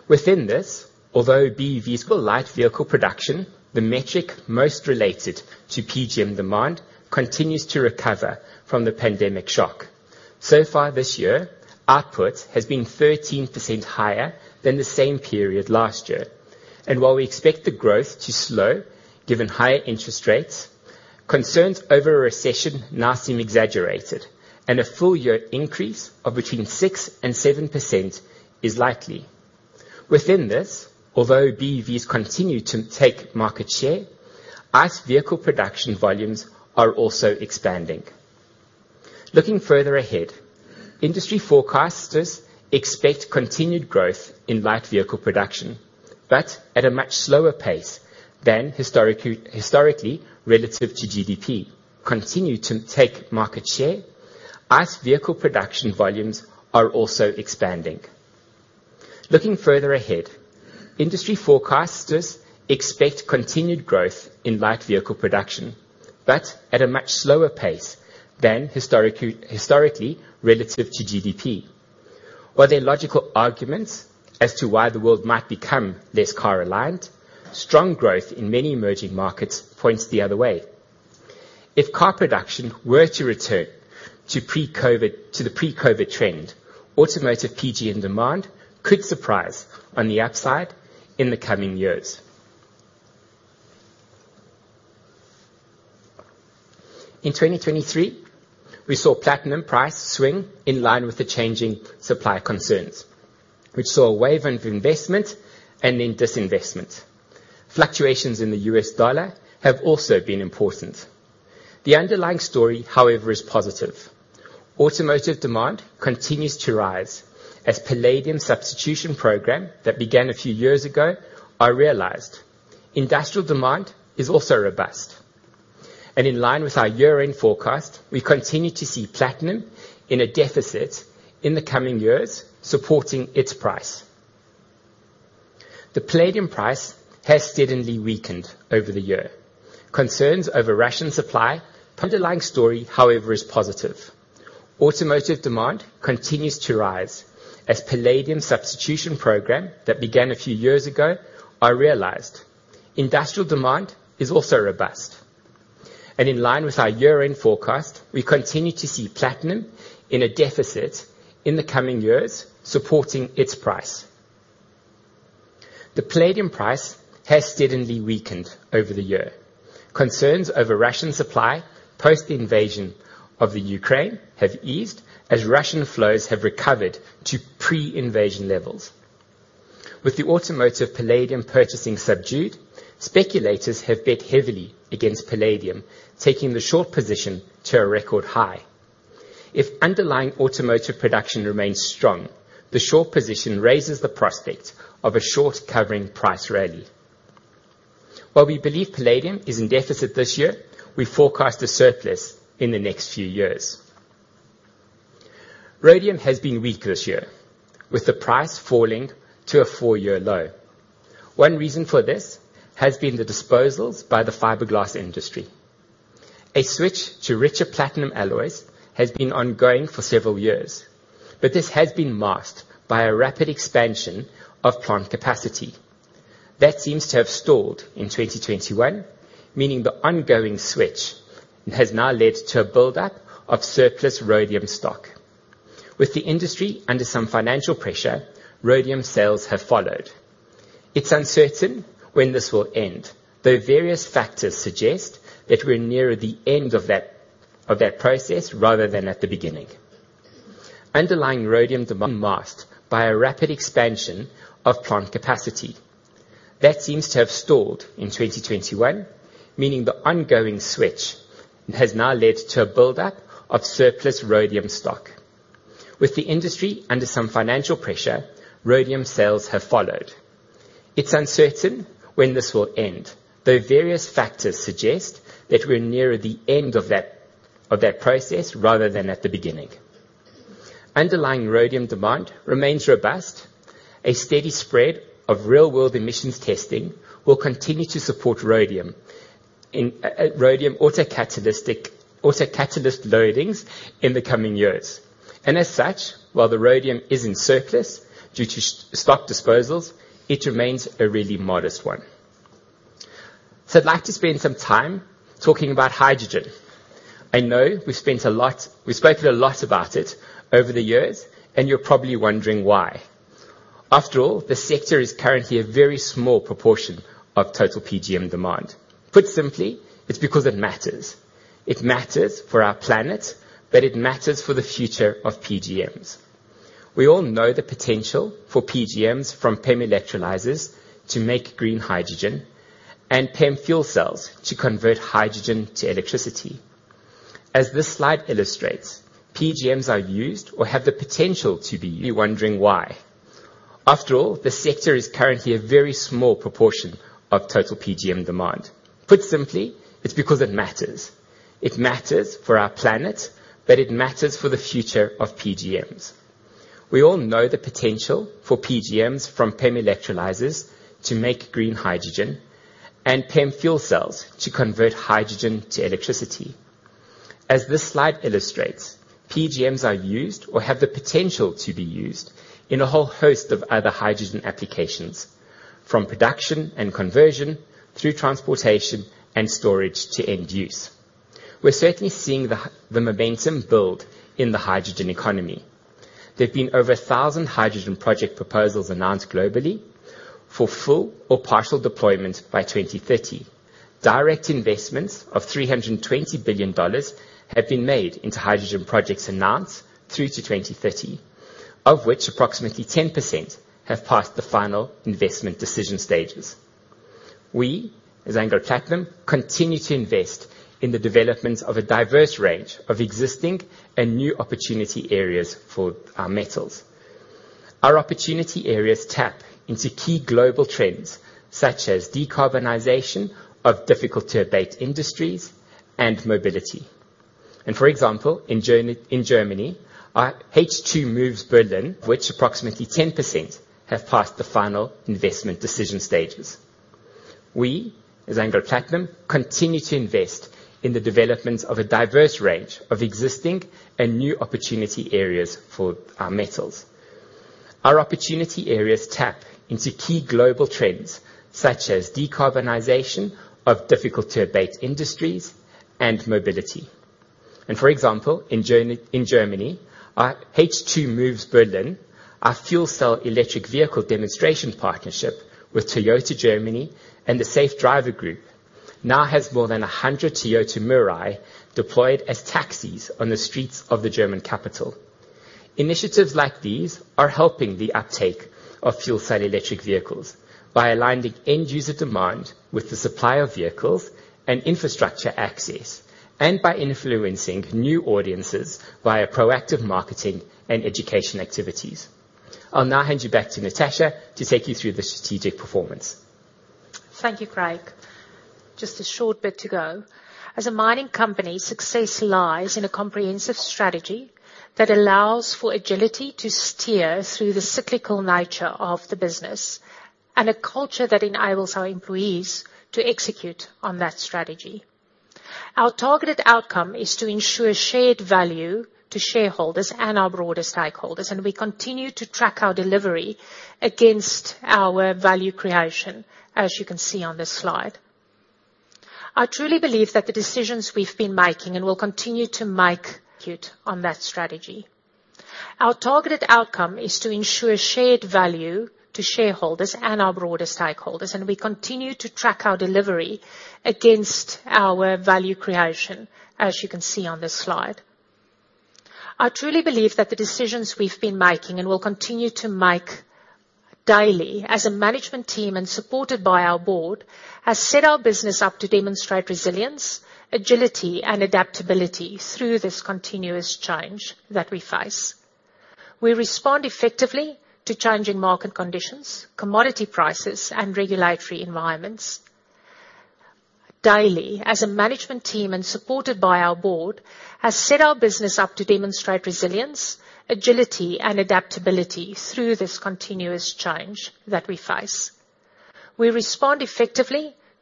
Within this, although BEVs or light vehicle production, the metric most related to PGM demand, continues to recover from the pandemic shock. So far this year, output has been 13% higher than the same period last year, and while we expect the growth to slow, given higher interest rates, concerns over a recession now seem exaggerated, and a full year increase of between 6% and 7% is likely. Within this, although BEVs continue to take market share, ICE vehicle production volumes are also expanding. Looking further ahead, industry forecasters expect continued growth in light vehicle production, but at a much slower pace than historically, relative to GDP, continue to take market share. ICE vehicle production volumes are also expanding. Looking further ahead, industry forecasters expect continued growth in light vehicle production, but at a much slower pace than historically, relative to GDP. While there are logical arguments as to why the world might become less car-reliant, strong growth in many emerging markets points the other way. If car production were to return to pre-COVID, to the pre-COVID trend, automotive PGM demand could surprise on the upside in the coming years. In 2023, we saw platinum price swing in line with the changing supply concerns, which saw a wave of investment and then disinvestment. Fluctuations in the U.S. dollar have also been important. The underlying story, however, is positive. Automotive demand continues to rise as palladium substitution program that began a few years ago are realized. Industrial demand is also robust, and in line with our year-end forecast, we continue to see platinum in a deficit in the coming years, supporting its price. The palladium price has steadily weakened over the year. Concerns over Russian supply post the invasion of the Ukraine have eased, as Russian flows have recovered to pre-invasion levels. With the automotive palladium purchasing subdued, speculators have bet heavily against palladium, taking the short position to a record high. If underlying automotive production remains strong, the short position raises the prospect of a short covering price rally. While we believe palladium is in deficit this year, we forecast a surplus in the next few years. Rhodium has been weak this year, with the price falling to a four year low. One reason for this has been the disposals by the fiberglass industry. A switch to richer platinum alloys has been ongoing for several years, but this has been masked by a rapid expansion of plant capacity. That seems to have stalled in 2021, meaning the ongoing switch has now led to a buildup of surplus rhodium stock. With the industry under some financial pressure, rhodium sales have followed. It's uncertain when this will end, though various factors suggest that we're nearer the end of that process, rather than at the beginning. Underlying rhodium demand masked by a rapid expansion of plant capacity. That seems to have stalled in 2021, meaning the ongoing switch has now led to a buildup of surplus rhodium stock. With the industry under some financial pressure, rhodium sales have followed. It's uncertain when this will end, though various factors suggest that we're nearer the end of that process, rather than at the beginning. Underlying rhodium demand remains robust. A steady spread of real world emissions testing will continue to support rhodium in rhodium autocatalyst loadings in the coming years. As such, while the rhodium is in surplus due to stock disposals, it remains a really modest one. I'd like to spend some time talking about hydrogen. I know we've spoken a lot about it over the years, and you're probably wondering why. After all, the sector is currently a very small proportion of total PGM demand. Put simply, it's because it matters. It matters for our planet, but it matters for the future of PGMs. We all know the potential for PGMs, from PEM electrolyzers to make green hydrogen and PEM fuel cells to convert hydrogen to electricity. As this slide illustrates, PGMs are used or have the potential to be wondering why. After all, the sector is currently a very small proportion of total PGM demand. Put simply, it's because it matters. It matters for our planet, but it matters for the future of PGMs. We all know the potential for PGMs, from PEM electrolyzers to make green hydrogen and PEM fuel cells to convert hydrogen to electricity. As this slide illustrates, PGMs are used or have the potential to be used in a whole host of other hydrogen applications, from production and conversion through transportation and storage to end use. We're certainly seeing the momentum build in the hydrogen economy. There have been over 1,000 hydrogen project proposals announced globally for full or partial deployment by 2030. Direct investments of $320 billion have been made into hydrogen projects announced through to 2030, of which approximately 10% have passed the final investment decision stages. We, as Anglo Platinum, continue to invest in the development of a diverse range of existing and new opportunity areas for our metals. Our opportunity areas tap into key global trends such as decarbonization of difficult-to-abate industries and mobility. For example, in Germany, our H2 Moves Berlin, which approximately 10% have passed the final investment decision stages. We, as Anglo Platinum, continue to invest in the development of a diverse range of existing and new opportunity areas for our metals. Our opportunity areas tap into key global trends such as decarbonization of difficult-to-abate industries and mobility. For example, in Germany, our H2 Moves Berlin, our fuel cell electric vehicle demonstration partnership with Toyota Germany and the SafeDriver Group, now has more than 100 Toyota Mirai deployed as taxis on the streets of the German capital. Initiatives like these are helping the uptake of fuel cell electric vehicles by aligning end user demand with the supply of vehicles and infrastructure access, and by influencing new audiences via proactive marketing and education activities. I'll now hand you back to Natascha to take you through the strategic performance. Thank you, Craig. Just a short bit to go. As a mining company, success lies in a comprehensive strategy that allows for agility to steer through the cyclical nature of the business, and a culture that enables our employees to execute on that strategy. Our targeted outcome is to ensure shared value to shareholders and our broader stakeholders, and we continue to track our delivery against our value creation as you can see on this slide. I truly believe that the decisions we've been making and will continue to make on that strategy. Our targeted outcome is to ensure shared value to shareholders and our broader stakeholders, and we continue to track our delivery against our value creation as you can see on this slide. I truly believe that the decisions we've been making and will continue to make daily as a management team and supported by our board, has set our business up to demonstrate resilience, agility, and adaptability through this continuous change that we face. We respond effectively to changing market conditions, commodity prices, and regulatory environments.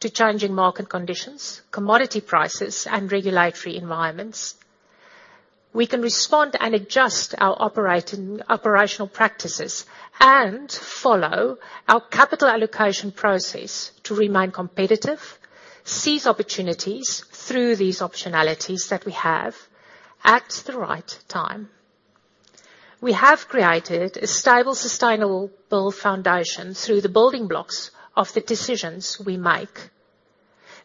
We can respond and adjust our operating, operational practices and follow our capital allocation process to remain competitive, seize opportunities through these optionalities that we have at the right time. We have created a stable, sustainable foundation through the building blocks of the decisions we make.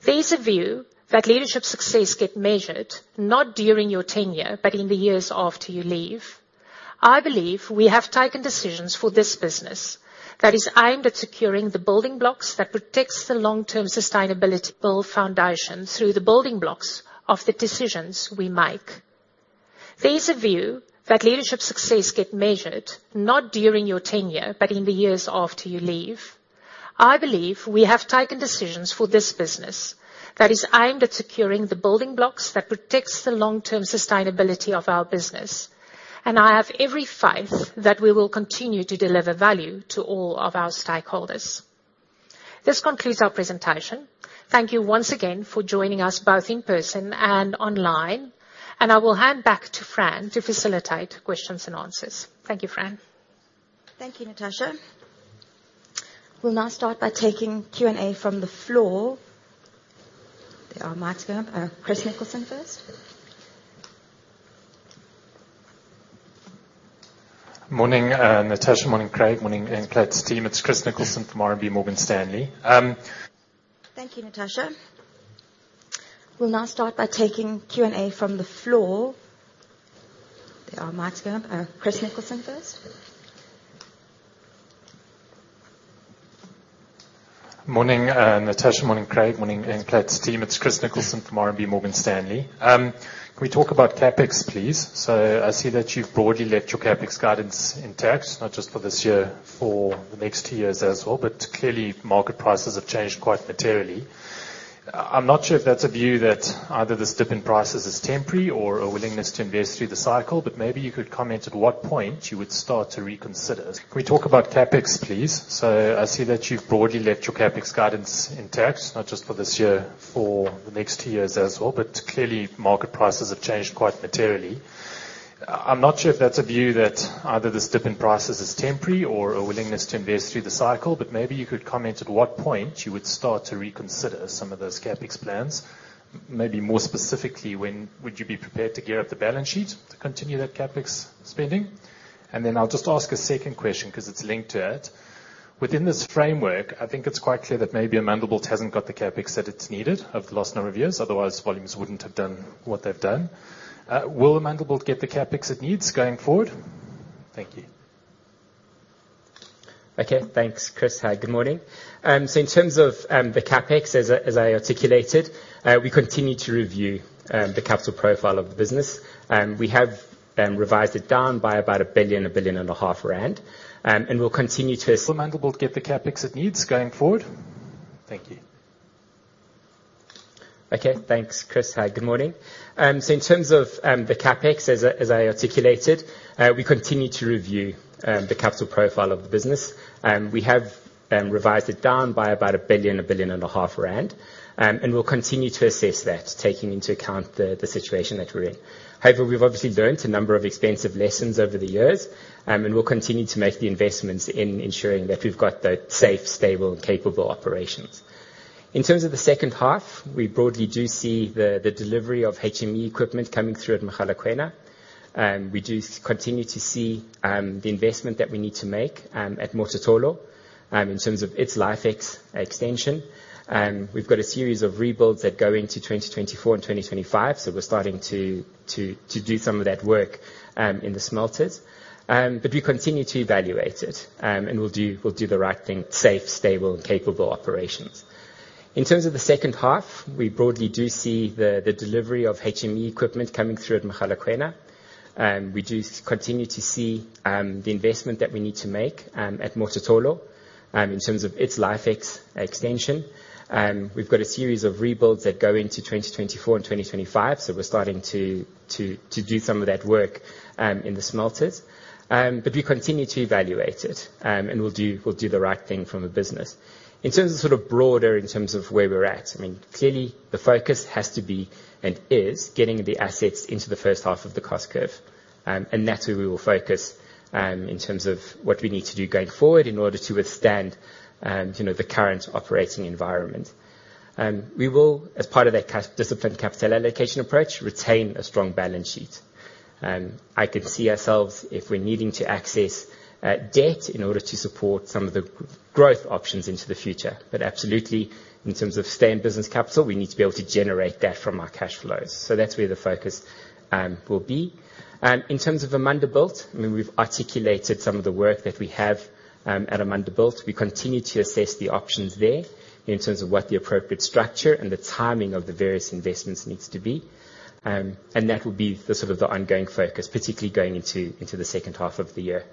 There is a view that leadership success get measured, not during your tenure, but in the years after you leave. I believe we have taken decisions for this business that is aimed at securing the building blocks that protects the long-term sustainability build foundation through the building blocks of the decisions we make. There is a view that leadership success get measured, not during your tenure, but in the years after you leave. I believe we have taken decisions for this business that is aimed at securing the building blocks that protects the long-term sustainability of our business. I have every faith that we will continue to deliver value to all of our stakeholders. This concludes our presentation. Thank you once again for joining us, both in person and online. I will hand back to Fran to facilitate questions and answers. Thank you, Fran. Thank you, Natascha. We'll now start by taking Q&A from the floor. There are mics going up. Christopher Nicholson first. Morning, Natascha. Morning, Craig. Morning, Amplats' team. It's Christopher Nicholson from RMB Morgan Stanley. Thank you, Natascha. We'll now start by taking Q&A from the floor. There are mics going up. Christopher Nicholson first. Morning, Natascha. Morning, Craig. Morning, Amplats' team. It's Christopher Nicholson from RMB Morgan Stanley. Can we talk about CapEx, please? I see that you've broadly left your CapEx guidance intact, not just for this year, for the next two years as well, but clearly, market prices have changed quite materially. I'm not sure if that's a view that either this dip in prices is temporary or a willingness to invest through the cycle, but maybe you could comment at what point you would start to reconsider. Can we talk about CapEx, please? I see that you've broadly left your CapEx guidance intact, not just for this year, for the next two years as well, but clearly, market prices have changed quite materially. I'm not sure if that's a view that either this dip in prices is temporary or a willingness to invest through the cycle, but maybe you could comment at what point you would start to reconsider some of those CapEx plans. Maybe more specifically, when would you be prepared to gear up the balance sheet to continue that CapEx spending? I'll just ask a second question ‘cause it's linked to it. Within this framework, I think it's quite clear that maybe Amandelbult hasn't got the CapEx that it's needed over the last number of years, otherwise, volumes wouldn't have done what they've done. Will Amandelbult get the CapEx it needs going forward? Thank you. Okay. Thanks, Chris. Hi, good morning. In terms of the CapEx, as I articulated, we continue to review the capital profile of the business. We have revised it down by about 1.5 billion. Will Amandelbult get the CapEx it needs going forward? Thank you. Okay. Thanks, Chris. Hi, good morning. In terms of the CapEx, as I articulated, we continue to review the capital profile of the business. We have revised it down by about 1 billion, 1.5 billion, and we'll continue to assess that, taking into account the situation that we're in. However, we've obviously learnt a number of expensive lessons over the years, and we'll continue to make the investments in ensuring that we've got the safe, stable, and capable operations. In terms of the second half, we broadly do see the delivery of HME equipment coming through at Mogalakwena. We do continue to see the investment that we need to make at Mototolo, in terms of its life extension. We've got a series of rebuilds that go into 2024 and 2025, so we're starting to do some of that work in the smelters. We continue to evaluate it, and we'll do the right thing, safe, stable, and capable operations. In terms of the second half, we broadly do see the delivery of HME equipment coming through at Mogalakwena. We do continue to see the investment that we need to make at Mototolo in terms of its life extension. We've got a series of rebuilds that go into 2024 and 2025, so we're starting to do some of that work in the smelters. We continue to evaluate it, and we'll do the right thing from a business. In terms of sort of broader in terms of where we're at, I mean, clearly the focus has to be, and is, getting the assets into the first half of the cost curve. That's where we will focus, in terms of what we need to do, going forward, in order to withstand, you know, the current operating environment. We will, as part of that disciplined capital allocation approach, retain a strong balance sheet. I could see ourselves, if we're needing to access debt in order to support some of the growth options into the future. Absolutely, in terms of stay-in business capital, we need to be able to generate that from our cash flows. That's where the focus will be. In terms of Amandelbult, we've articulated some of the work that we have at Amandelbult. We continue to assess the options there in terms of what the appropriate structure and the timing of the various investments needs to be. That will be the sort of the ongoing focus, particularly going into the second half of the year.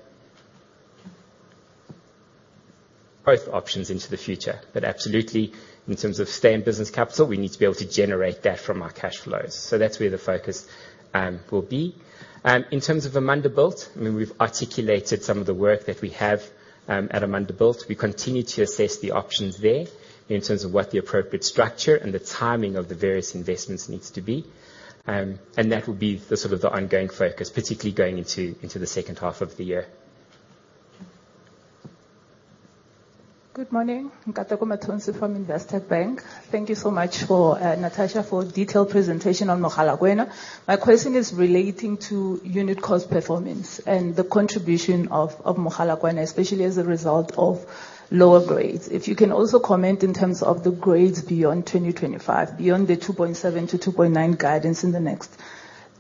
Both options into the future, but absolutely, in terms of stay-in business capital, we need to be able to generate that from our cash flows. That's where the focus will be. In terms of Amandelbult, we've articulated some of the work that we have at Amandelbult. We continue to assess the options there in terms of what the appropriate structure and the timing of the various investments needs to be. That will be the sort of the ongoing focus, particularly going into the second half of the year. Good morning. Nkateko Mathonsi from Investec Bank. Thank you so much for Natascha, for a detailed presentation on Mogalakwena. My question is relating to unit cost performance and the contribution of Mogalakwena, especially as a result of lower grades. If you can also comment in terms of the grades beyond 2025, beyond the 2.7-2.9 guidance in the next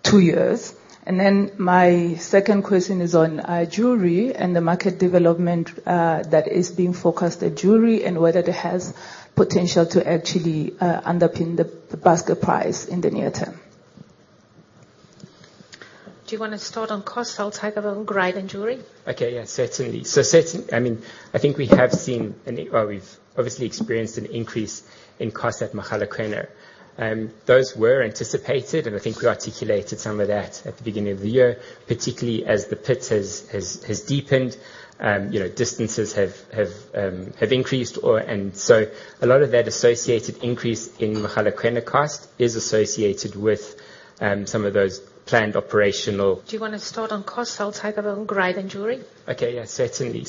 two years. My second question is on jewelry and the market development that is being focused at jewelry, and whether it has potential to actually underpin the basket price in the near term. Do you want to start on cost? I'll take a little grade and jewelry. Okay, yeah, certainly. I mean, I think we have seen an, we've obviously experienced an increase in cost at Mogalakwena. Those were anticipated, and I think we articulated some of that at the beginning of the year, particularly as the pit has deepened. You know, distances have increased. A lot of that associated increase in Mogalakwena cost is associated with, some of those planned operational. Do you wanna start on cost? I'll take a little grade and jewelry. Okay. Yeah, certainly.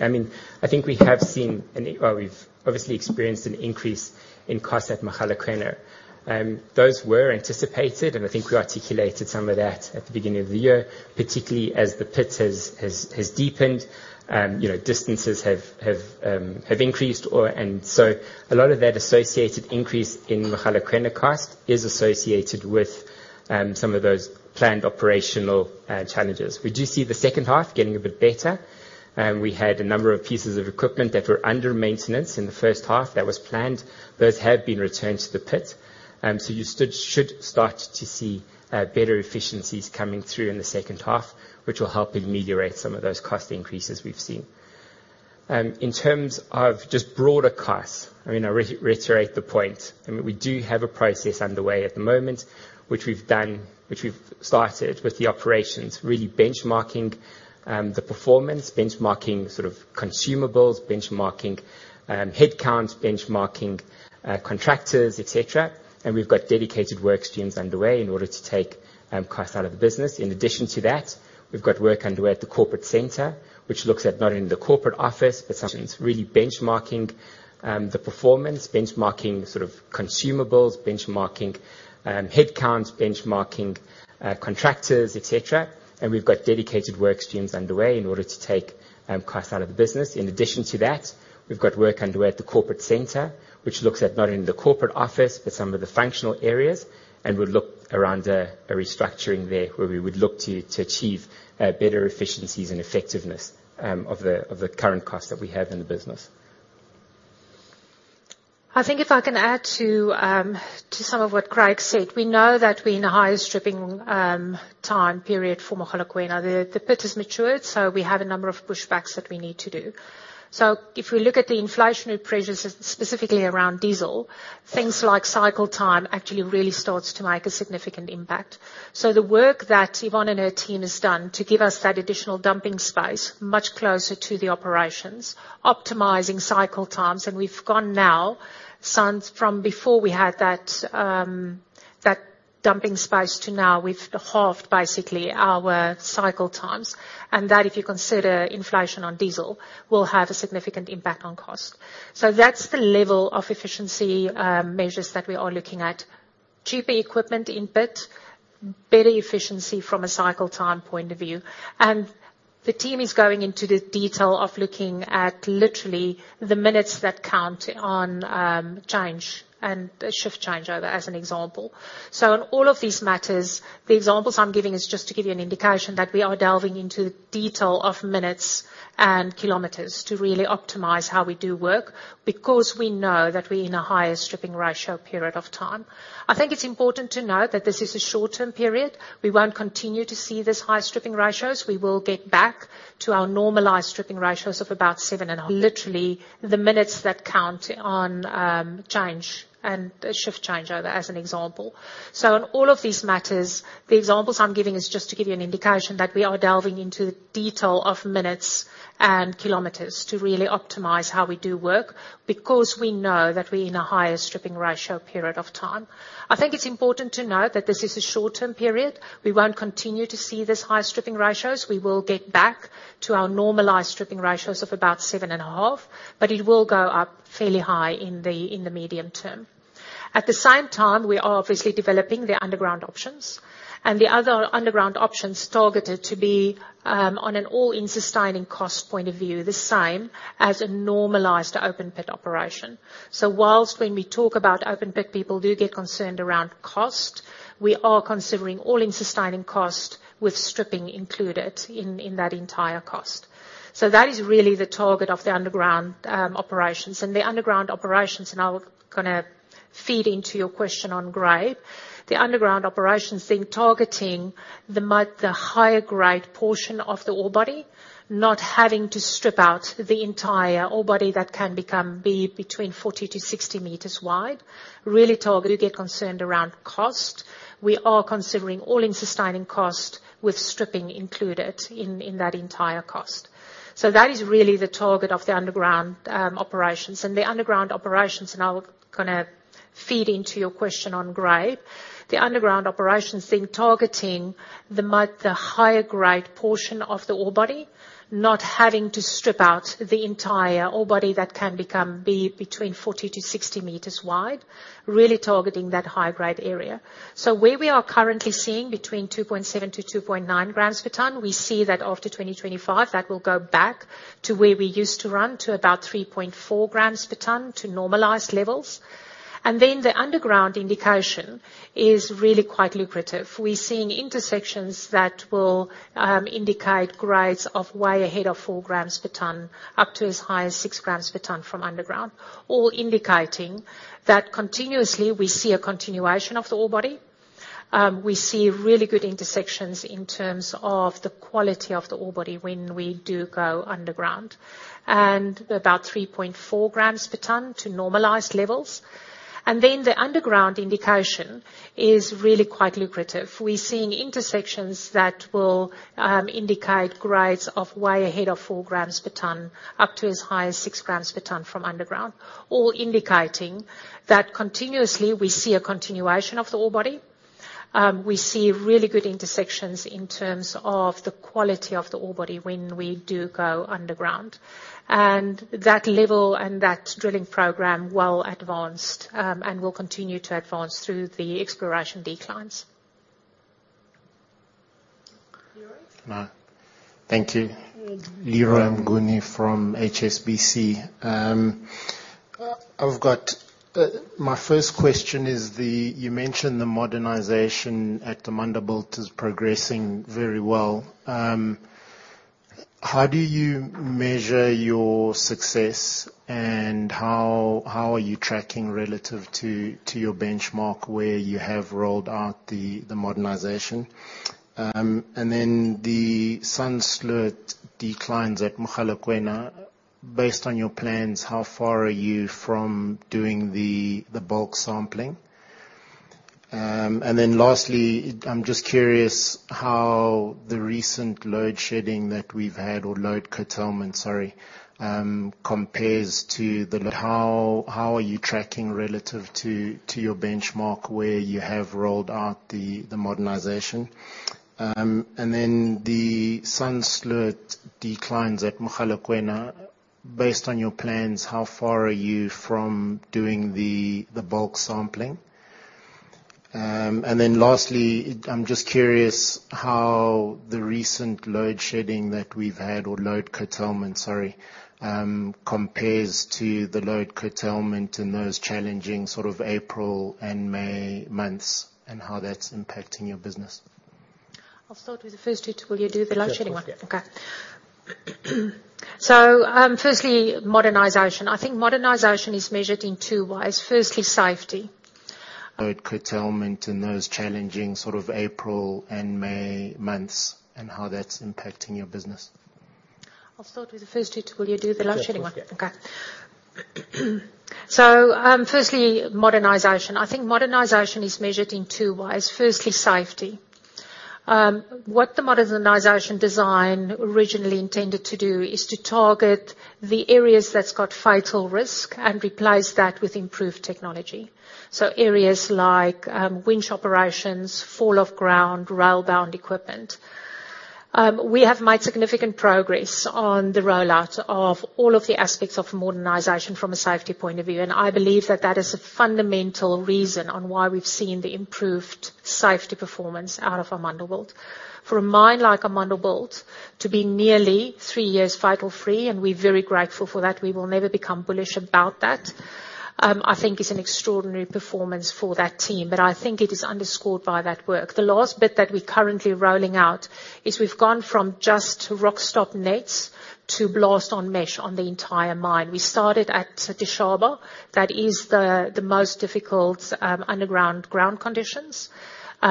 I mean, I think we have seen an, we've obviously experienced an increase in cost at Mogalakwena. Those were anticipated, and I think we articulated some of that at the beginning of the year, particularly as the pit has deepened, you know, distances have increased. A lot of that associated increase in Mogalakwena cost is associated with some of those planned operational challenges. We do see the second half getting a bit better. We had a number of pieces of equipment that were under maintenance in the first half, that was planned. Those have been returned to the pit, so you should start to see better efficiencies coming through in the second half, which will help ameliorate some of those cost increases we've seen. In terms of just broader costs, I mean, I reiterate the point. I mean, we do have a process underway at the moment, which we've done, which we've started with the operations, really benchmarking the performance, benchmarking sort of consumables, benchmarking headcounts, benchmarking contractors, et cetera. We've got dedicated work streams underway in order to take costs out of the business. In addition to that, we've got work underway at the corporate center, which looks at not only the corporate office, but something's really benchmarking the performance, benchmarking sort of consumables, benchmarking headcounts, benchmarking contractors, et cetera. We've got dedicated work streams underway in order to take costs out of the business. In addition to that, we've got work underway at the corporate center, which looks at not only the corporate office, but some of the functional areas, and would look around a restructuring there, where we would look to achieve better efficiencies and effectiveness of the current costs that we have in the business. I think if I can add to some of what Craig said, we know that we're in a higher stripping, time period for Mogalakwena. The pit has matured, we have a number of pushbacks that we need to do. If we look at the inflationary pressures, specifically around diesel, things like cycle time actually really starts to make a significant impact. The work that Yvonne and her team has done to give us that additional dumping space, much closer to the operations, optimizing cycle times, and we've gone now, since from before we had that dumping space to now, we've halved basically our cycle times, and that, if you consider inflation on diesel, will have a significant impact on cost. That's the level of efficiency, measures that we are looking at. Cheaper equipment in pit, better efficiency from a cycle time point of view. The team is going into the detail of looking at literally the minutes that count on change and the shift changeover, as an example. In all of these matters, the examples I'm giving is just to give you an indication that we are delving into the detail of minutes and kilometers to really optimize how we do work, because we know that we're in a higher stripping ratio period of time. I think it's important to note that this is a short-term period. We won't continue to see this high stripping ratios. We will get back to our normalized stripping ratios of about 7.5. Literally, the minutes that count on change and the shift changeover, as an example. In all of these matters, the examples I'm giving is just to give you an indication that we are delving into the detail of minutes and kilometers to really optimize how we do work, because we know that we're in a higher stripping ratio period of time. I think it's important to note that this is a short-term period. We won't continue to see this high stripping ratios. We will get back to our normalized stripping ratios of about 7.5, but it will go up fairly high in the medium term. At the same time, we are obviously developing the underground options, and the other underground options targeted to be on an all-in sustaining cost point of view, the same as a normalized open-pit operation. Whilst when we talk about open pit, people do get concerned around cost, we are considering all-in sustaining cost with stripping included in that entire cost. That is really the target of the underground operations. The underground operations, and I'll kind of feed into your question on grade. The underground operations, targeting the higher grade portion of the ore body, not having to strip out the entire ore body that can be between 40-60 meters wide. You get concerned around cost. We are considering all-in sustaining cost, with stripping included in that entire cost. That is really the target of the underground operations. The underground operations, and I'll kind of feed into your question on grade. The underground operations thing, targeting the higher grade portion of the ore body, not having to strip out the entire ore body that can become, be between 40-60 meters wide, really targeting that high-grade area. Where we are currently seeing between 2.7-2.9 grams per ton, we see that after 2025, that will go back to where we used to run, to about 3.4 grams per ton to normalize levels. The underground indication is really quite lucrative. We're seeing intersections that will indicate grades of way ahead of 4 grams per ton, up to as high as 6 grams per ton from underground, all indicating that continuously we see a continuation of the ore body.... We see really good intersections in terms of the quality of the ore body when we do go underground, and about 3.4 grams per ton to normalized levels. The underground indication is really quite lucrative. We're seeing intersections that will indicate grades of way ahead of 4 grams per ton, up to as high as 6 grams per ton from underground, all indicating that continuously we see a continuation of the ore body. We see really good intersections in terms of the quality of the ore body when we do go underground. That level and that drilling program well advanced and will continue to advance through the exploration declines. Thank you. Leroy Mnguni from HSBC. My first question, You mentioned the modernization at Amandelbult is progressing very well. How do you measure your success, and how are you tracking relative to your benchmark, where you have rolled out the modernization? The Sandsloot declines at Mogalakwena. Based on your plans, how far are you from doing the bulk sampling? Lastly, I'm just curious how the recent load shedding that we've had or load curtailment, sorry, compares to the how are you tracking relative to your benchmark, where you have rolled out the modernization? The Sandsloot declines at Mogalakwena. Based on your plans, how far are you from doing the bulk sampling? Then lastly, I'm just curious how the recent load shedding that we've had or load curtailment, sorry, compares to the load curtailment in those challenging sort of April and May months, and how that's impacting your business? I'll start with the first two. Will you do the load shedding one? Yeah. Okay. Firstly, modernization. I think modernization is measured in two ways. Firstly. -load curtailment in those challenging sort of April and May months, and how that's impacting your business. I'll start with the first two. Will you do the load shedding one? Yeah. Okay. Firstly, modernization. I think modernization is measured in two ways. Firstly, safety. What the modernization design originally intended to do is to target the areas that's got fatal risk and replace that with improved technology. Areas like winch operations, fall of ground, rail bound equipment. We have made significant progress on the rollout of all of the aspects of modernization from a safety point of view, and I believe that that is a fundamental reason on why we've seen the improved safety performance out of Amandelbult. For a mine like Amandelbult to be nearly three years fatal free, and we're very grateful for that, we will never become bullish about that, I think is an extraordinary performance for that team, but I think it is underscored by that work. The last bit that we're currently rolling out is we've gone from just rockstop nets to blast on mesh on the entire mine. We started at Setshaba. That is the most difficult underground ground conditions.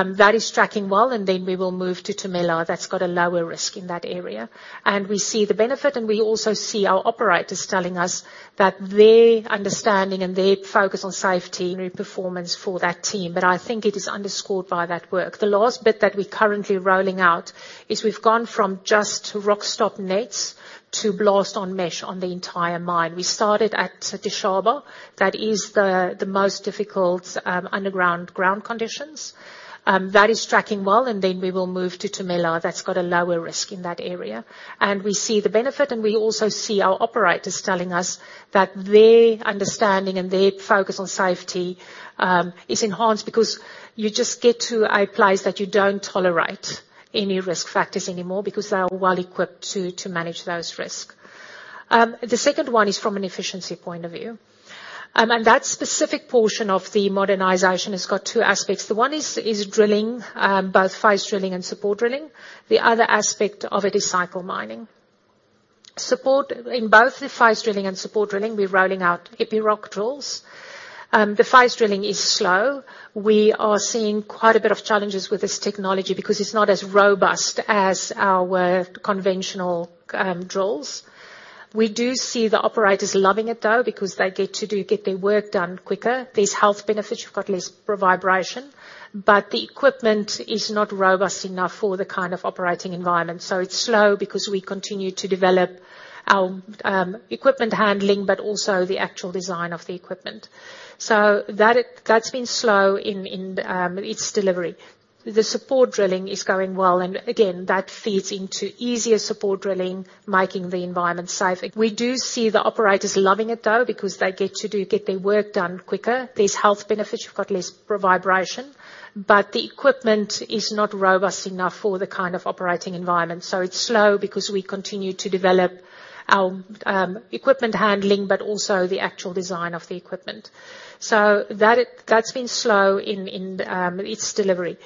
That is tracking well, then we will move to Tumela. That's got a lower risk in that area. We see the benefit, and we also see our operators telling us that their understanding and their focus on safety, performance for that team. I think it is underscored by that work. The last bit that we're currently rolling out is we've gone from just rockstop nets to blast on mesh on the entire mine. We started at Setshaba. That is the most difficult underground ground conditions. That is tracking well, then we will move to Tumela. That's got a lower risk in that area. We see the benefit, and we also see our operators telling us that their understanding and their focus on safety is enhanced because you just get to a place that you don't tolerate any risk factors anymore, because they are well-equipped to manage those risk. The second one is from an efficiency point of view. That specific portion of the modernization has got two aspects. The one is drilling, both face drilling and support drilling. The other aspect of it is cycle mining. In both the face drilling and support drilling, we're rolling out Epiroc drills. The face drilling is slow. We are seeing quite a bit of challenges with this technology because it's not as robust as our conventional drills. We do see the operators loving it, though, because they get their work done quicker. There's health benefits. You've got less vibration. The equipment is not robust enough for the kind of operating environment. It's slow because we continue to develop our equipment handling, but also the actual design of the equipment. That's been slow in its delivery. The support drilling is going well. Again, that feeds into easier support drilling, making the environment safe. We do see the operators loving it, though, because they get their work done quicker. There's health benefits. You've got less vibration. The equipment is not robust enough for the kind of operating environment. It's slow because we continue to develop our equipment handling, but also the actual design of the equipment. That's been slow in its delivery.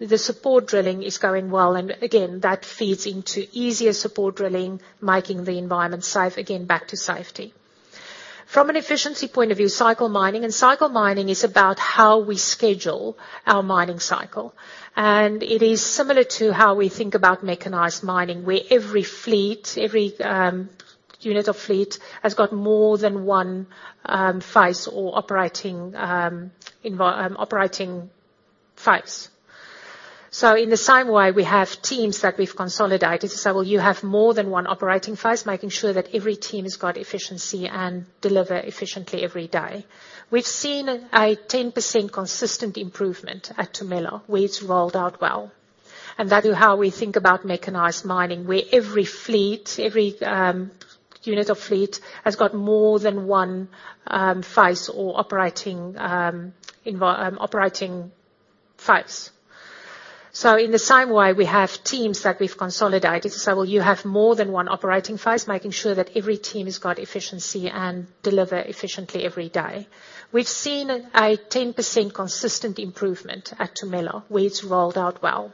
The support drilling is going well, again, that feeds into easier support drilling, making the environment safe. Again, back to safety. From an efficiency point of view, cycle mining, cycle mining is about how we schedule our mining cycle. It is similar to how we think about mechanized mining, where every fleet, every unit of fleet has got more than one face or operating face. In the same way, we have teams that we've consolidated, so you have more than one operating face, making sure that every team has got efficiency and deliver efficiently every day. We've seen a 10% consistent improvement at Tumela, where it's rolled out well, that is how we think about mechanized mining, where every fleet, every unit of fleet, has got more than one face or operating face. In the same way, we have teams that we've consolidated, so you have more than one operating face, making sure that every team has got efficiency and deliver efficiently every day. We've seen a 10% consistent improvement at Tumela, where it's rolled out well,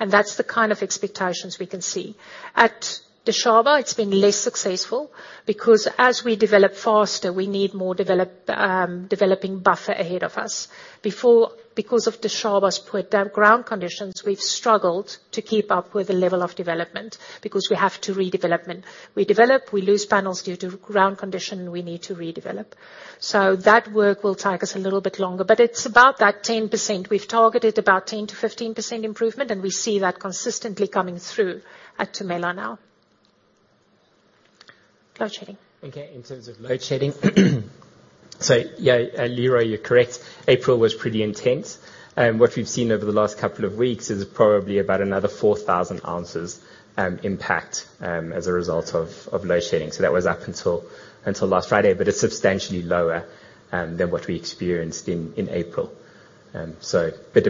and that's the kind of expectations we can see. At Dishaba, it's been less successful because as we develop faster, we need more develop, developing buffer ahead of us. Before, because of Dishaba's poor ground conditions, we've struggled to keep up with the level of development because we have to redevelopment. We develop, we lose panels due to ground condition, and we need to redevelop. That work will take us a little bit longer, but it's about that 10%. We've targeted about 10%-15% improvement, and we see that consistently coming through at Tumela now. Load shedding. Okay, in terms of load shedding, yeah, Leroy, you're correct. April was pretty intense, and what we've seen over the last couple of weeks is probably about another 4,000 oz impact as a result of load shedding. That was up until last Friday, but it's substantially lower than what we experienced in April. I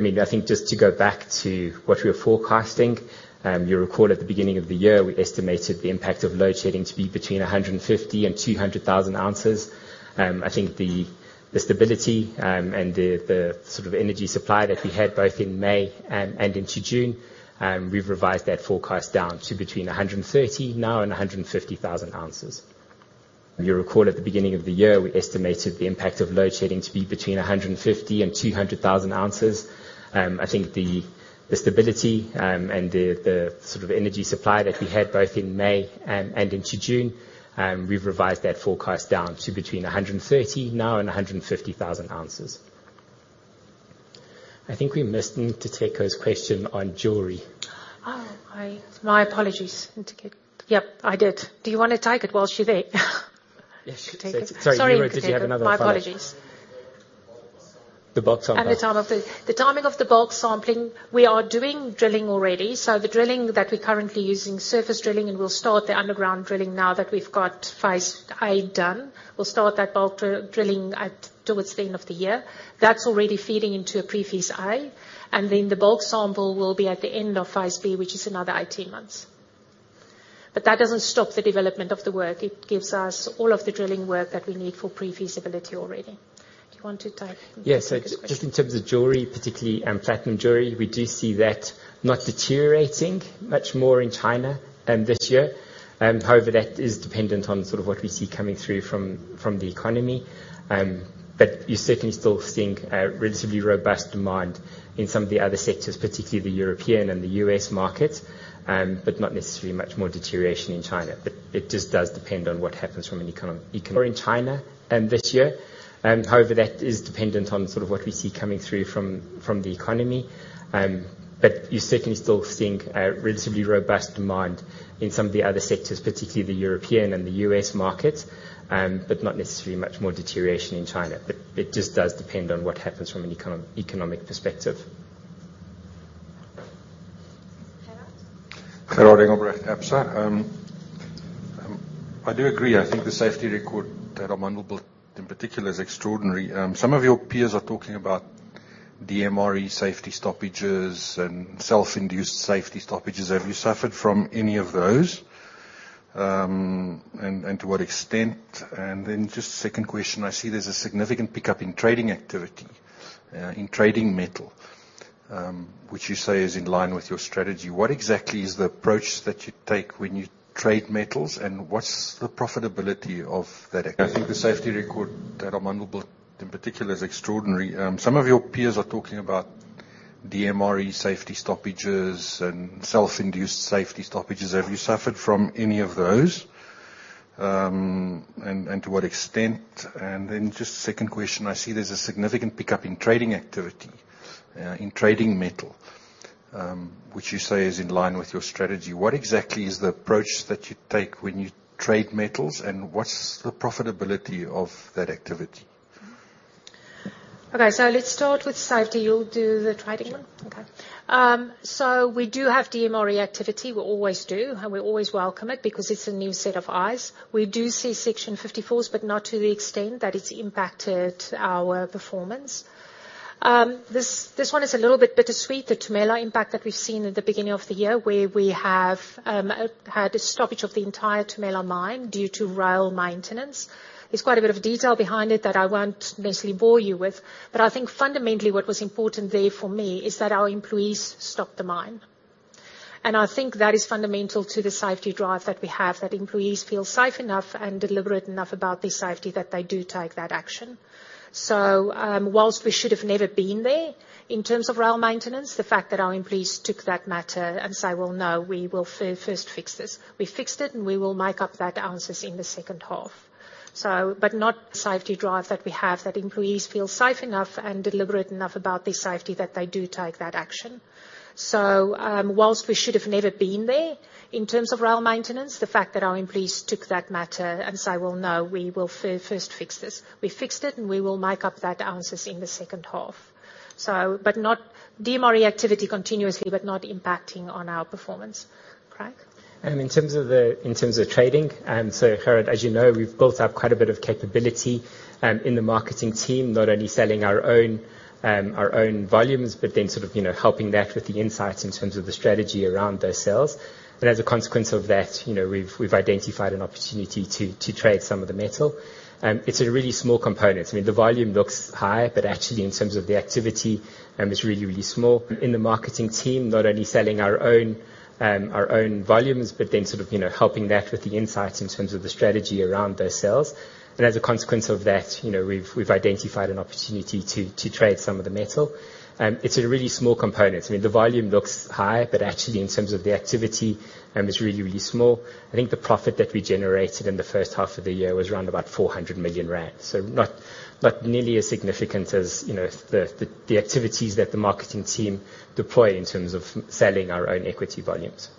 mean, I think just to go back to what we were forecasting, you'll recall at the beginning of the year, we estimated the impact of load shedding to be between 150,000 and 200,000 oz. I think the stability, and the sort of energy supply that we had, both in May and into June, we've revised that forecast down to between 130,000 now and 150,000 oz. You recall at the beginning of the year, we estimated the impact of load shedding to be between 150,000 and 200,000 oz. I think the stability, and the sort of energy supply that we had, both in May and into June, we've revised that forecast down to between 130,000 now and 150,000 oz. I think we missed Nkateko's question on jewelry. My apologies, Nkateko. Yep, I did. Do you want to take it while she's there? Yes. Sorry, Nkateko. Sorry, did you have another follow-up? My apologies. The bulk sampling. The timing of the bulk sampling, we are doing drilling already. The drilling that we're currently using, surface drilling. We'll start the underground drilling now that we've got phase A done. We'll start that bulk drilling towards the end of the year. That's already feeding into a pre-phase A. Then the bulk sample will be at the end of phase B, which is another 18 months. That doesn't stop the development of the work. It gives us all of the drilling work that we need for pre-feasibility already. Do you want to take? Yes. Nkateko's question? Just in terms of jewelry, particularly platinum jewelry, we do see that not deteriorating much more in China this year. However, that is dependent on sort of what we see coming through from the economy. But you're certainly still seeing a relatively robust demand in some of the other sectors, particularly the European and the US market, but not necessarily much more deterioration in China. It just does depend on what happens from an economic, or in China this year. However, that is dependent on sort of what we see coming through from the economy. But you're certainly still seeing a relatively robust demand in some of the other sectors, particularly the European and the US market, but not necessarily much more deterioration in China. it just does depend on what happens from an economic perspective. Good morning, Arnold van Graan. I do agree, I think the safety record that Amandelbult in particular is extraordinary. Some of your peers are talking about DMRE safety stoppages and self-induced safety stoppages. Have you suffered from any of those, and to what extent? Just a second question, I see there's a significant pickup in trading activity in trading metal, which you say is in line with your strategy. What exactly is the approach that you take when you trade metals, and what's the profitability of that activity? I think the safety record that Amandelbult in particular is extraordinary. Some of your peers are talking about DMRE safety stoppages and self-induced safety stoppages. Have you suffered from any of those? To what extent? Just a second question, I see there's a significant pickup in trading activity, in trading metal, which you say is in line with your strategy. What exactly is the approach that you take when you trade metals, and what's the profitability of that activity? Okay, let's start with safety. You'll do the trading one? Sure. We do have DMRE activity. We always do, and we always welcome it, because it's a new set of eyes. We do see section 54s, but not to the extent that it's impacted our performance. This one is a little bit bittersweet, the Tumela impact that we've seen at the beginning of the year, where we have had a stoppage of the entire Tumela mine due to rail maintenance. There's quite a bit of detail behind it that I won't necessarily bore you with, but I think fundamentally what was important there for me, is that our employees stopped the mine. I think that is fundamental to the safety drive that we have, that employees feel safe enough and deliberate enough about their safety, that they do take that action. Whilst we should have never been there in terms of rail maintenance, the fact that our employees took that matter and say, "Well, no, we will first fix this." We fixed it, and we will make up that ounces in the second half. Not safety drive that we have, that employees feel safe enough and deliberate enough about their safety that they do take that action. Whilst we should have never been there in terms of rail maintenance, the fact that our employees took that matter and say, "Well, no, we will first fix this." We fixed it, and we will make up that ounces in the second half. But not DMRE activity continuously, but not impacting on our performance. Craig? In terms of trading, Arnold, as you know, we've built up quite a bit of capability in the marketing team, not only selling our own, our own volumes, but then sort of, you know, helping that with the insights in terms of the strategy around those sales. As a consequence of that, you know, we've identified an opportunity to trade some of the metal. It's a really small component. I mean, the volume looks high, but actually, in terms of the activity, it's really, really small. In the marketing team, not only selling our own, our own volumes, but then sort of, you know, helping that with the insights in terms of the strategy around those sales. As a consequence of that, you know, we've identified an opportunity to trade some of the metal. It's a really small component. I mean, the volume looks high, but actually, in terms of the activity, it's really small. I think the profit that we generated in the first half of the year was around about 400 million rand. Not nearly as significant as, you know, the activities that the marketing team deploy in terms of selling our own equity volumes.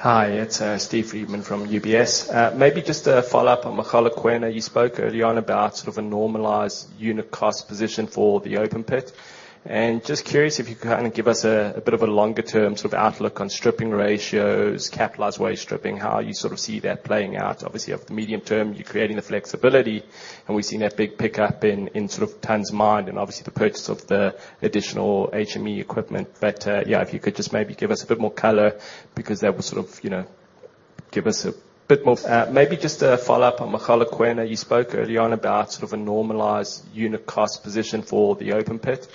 Steve? Hi, it's Steve Friedman from UBS. Maybe just a follow-up on Mogalakwena. You spoke earlier on about sort of a normalized unit cost position for the open pit. Just curious, if you can kind of give us a bit of a longer-term sort of outlook on stripping ratios, capitalized waste stripping, how you sort of see that playing out. Obviously, over the medium term, you're creating the flexibility, and we've seen that big pickup in sort of tons mined, and obviously the purchase of the additional HME equipment. Yeah, if you could just maybe give us a bit more color, because that would sort of, you know, give us a bit more. Maybe just a follow-up on Mogalakwena. You spoke earlier on about sort of a normalized unit cost position for the open pit.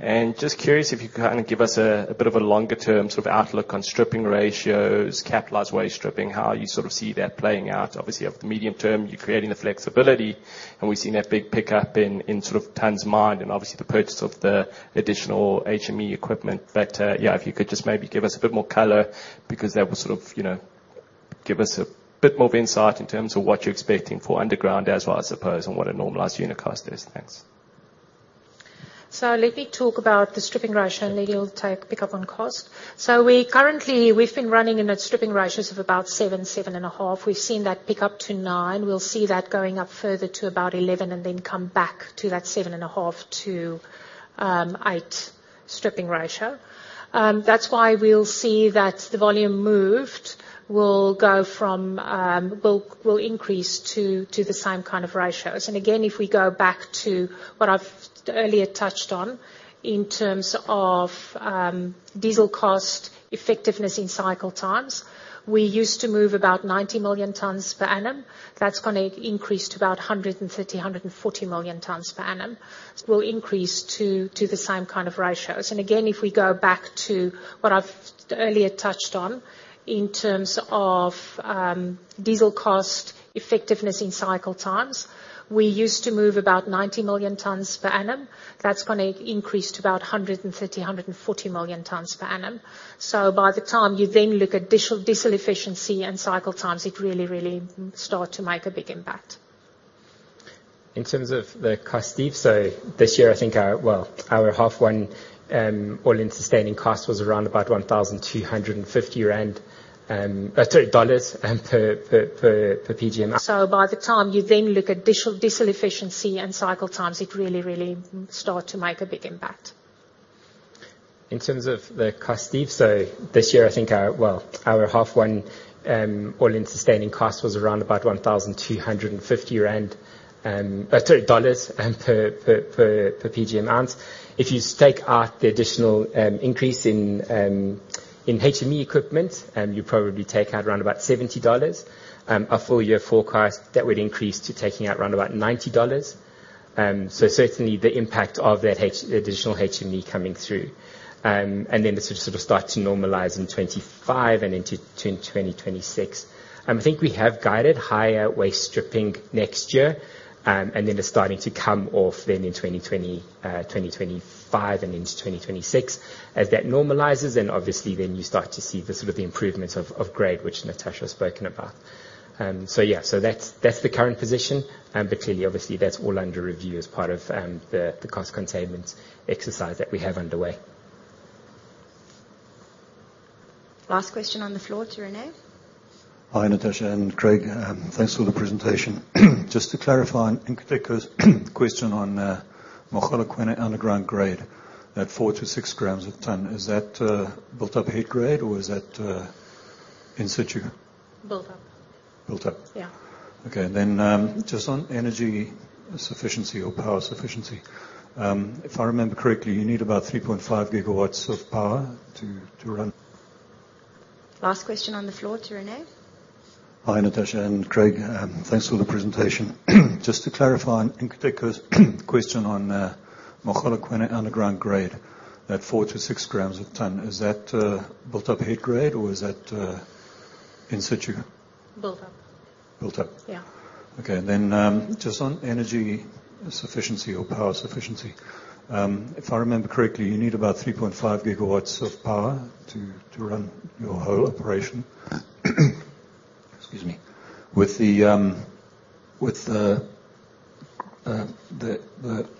Just curious if you can kind of give us a bit of a longer-term sort of outlook on stripping ratios, capitalized waste stripping, how you sort of see that playing out. Obviously, over the medium term, you're creating the flexibility, and we've seen that big pickup in sort of tons mined, and obviously the purchase of the additional HME equipment. Yeah, if you could just maybe give us a bit more color, because that would sort of, you know, give us a bit more of insight in terms of what you're expecting for underground as well, I suppose, and what a normalized unit cost is. Thanks. Let me talk about the stripping ratio, and then you'll take pick up on cost. We currently, we've been running in stripping ratios of about 7.5. We've seen that pick up to nine. We'll see that going up further to about 11, and then come back to that 7.5-8 stripping ratio. That's why we'll see that the volume moved will go from, will increase to the same kind of ratios. Again, if we go back to what I've earlier touched on in terms of diesel cost effectiveness in cycle times, we used to move about 90 million tonnes per annum. That's gonna increase to about 130, 140 million tonnes per annum. Will increase to the same kind of ratios. If we go back to what I've earlier touched on, in terms of diesel cost effectiveness in cycle times, we used to move about 90 million tons per annum. That's gonna increase to about 130 million, 140 million tons per annum. By the time you then look at diesel efficiency and cycle times, it really start to make a big impact. In terms of the cost, Steve, this year, Well, our half one all-in sustaining cost was around about 1,250 rand, sorry, dollars per PGM. by the time you then look at diesel efficiency and cycle times, it really start to make a big impact. In terms of the cost, Steve, this year, our half one all-in sustaining cost was around about $1,250 per PGM ounce. If you take out the additional increase in HME equipment, you probably take out around about $70. Our full year forecast, that would increase to taking out around about $90. Certainly the impact of that additional HME coming through. This would sort of start to normalize in 2025 and into 2026. I think we have guided higher waste stripping next year, it's starting to come off then in 2025 and into 2026. As that normalizes, obviously, then you start to see the sort of the improvements of grade, which Natascha has spoken about. Yeah, so that's the current position. Clearly, obviously, that's all under review as part of the cost containment exercise that we have underway. Last question on the floor to René. Hi, Natascha and Craig. Thanks for the presentation. Just to clarify on Nkateko's question on, Mogalakwena underground grade, that 4-6 grams a ton, is that built-up head grade or is that in situ? Built up. Built up? Yeah. Okay. Just on energy sufficiency or power sufficiency, if I remember correctly, you need about 3.5 GW of power to run? Last question on the floor to René. Hi, Natascha and Craig. Thanks for the presentation. Just to clarify on Nkateko's question on Mogalakwena underground grade, that 4-6 grams of ton, is that built-up heat grade or is that in situ? Built up. Built up? Yeah. Just on energy sufficiency or power sufficiency, if I remember correctly, you need about 3.5 GW of power to run your whole operation. Excuse me. With the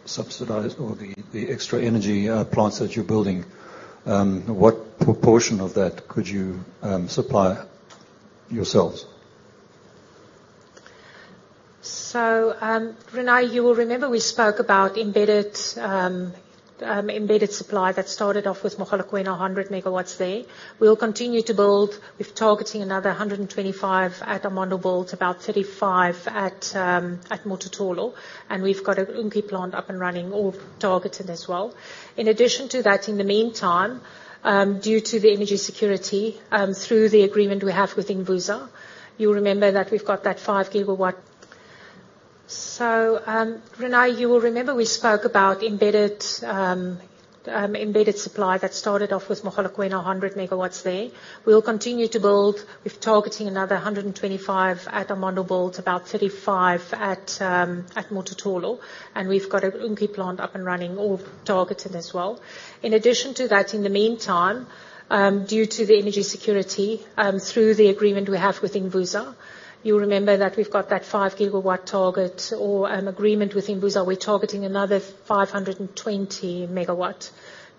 subsidized or the extra energy plants that you're building, what proportion of that could you supply yourselves? René, you will remember we spoke about embedded supply that started off with Mogalakwena 100 MW there. We will continue to build. We're targeting another 125 at Amandelbult, about 35 at Mototolo, and we've got an Unki plant up and running, all targeted as well. In addition to that, in the meantime, due to the energy security, through the agreement we have with Envusa, you'll remember that we've got that 5 GW... René, you will remember we spoke about embedded supply that started off with Mogalakwena 100 MW there. We will continue to build. We're targeting another 125 at Amandelbult, about 35 at Mototolo, and we've got an Unki plant up and running, all targeted as well. In addition to that, in the meantime, due to the energy security, through the agreement we have with Envusa, you'll remember that we've got that 5 MW target or an agreement with Envusa. We're targeting another 520 MW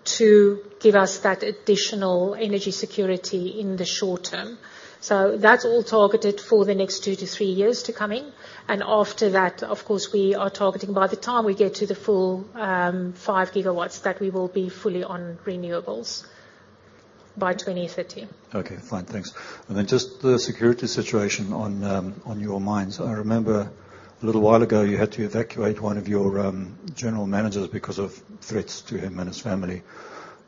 to give us that additional energy security in the short term. That's all targeted for the next 2-3 years to coming, and after that, of course, we are targeting, by the time we get to the full, 5 GW, that we will be fully on renewables by 2030. Okay, fine. Thanks. Just the security situation on on your mines. I remember a little while ago, you had to evacuate one of your general managers because of threats to him and his family.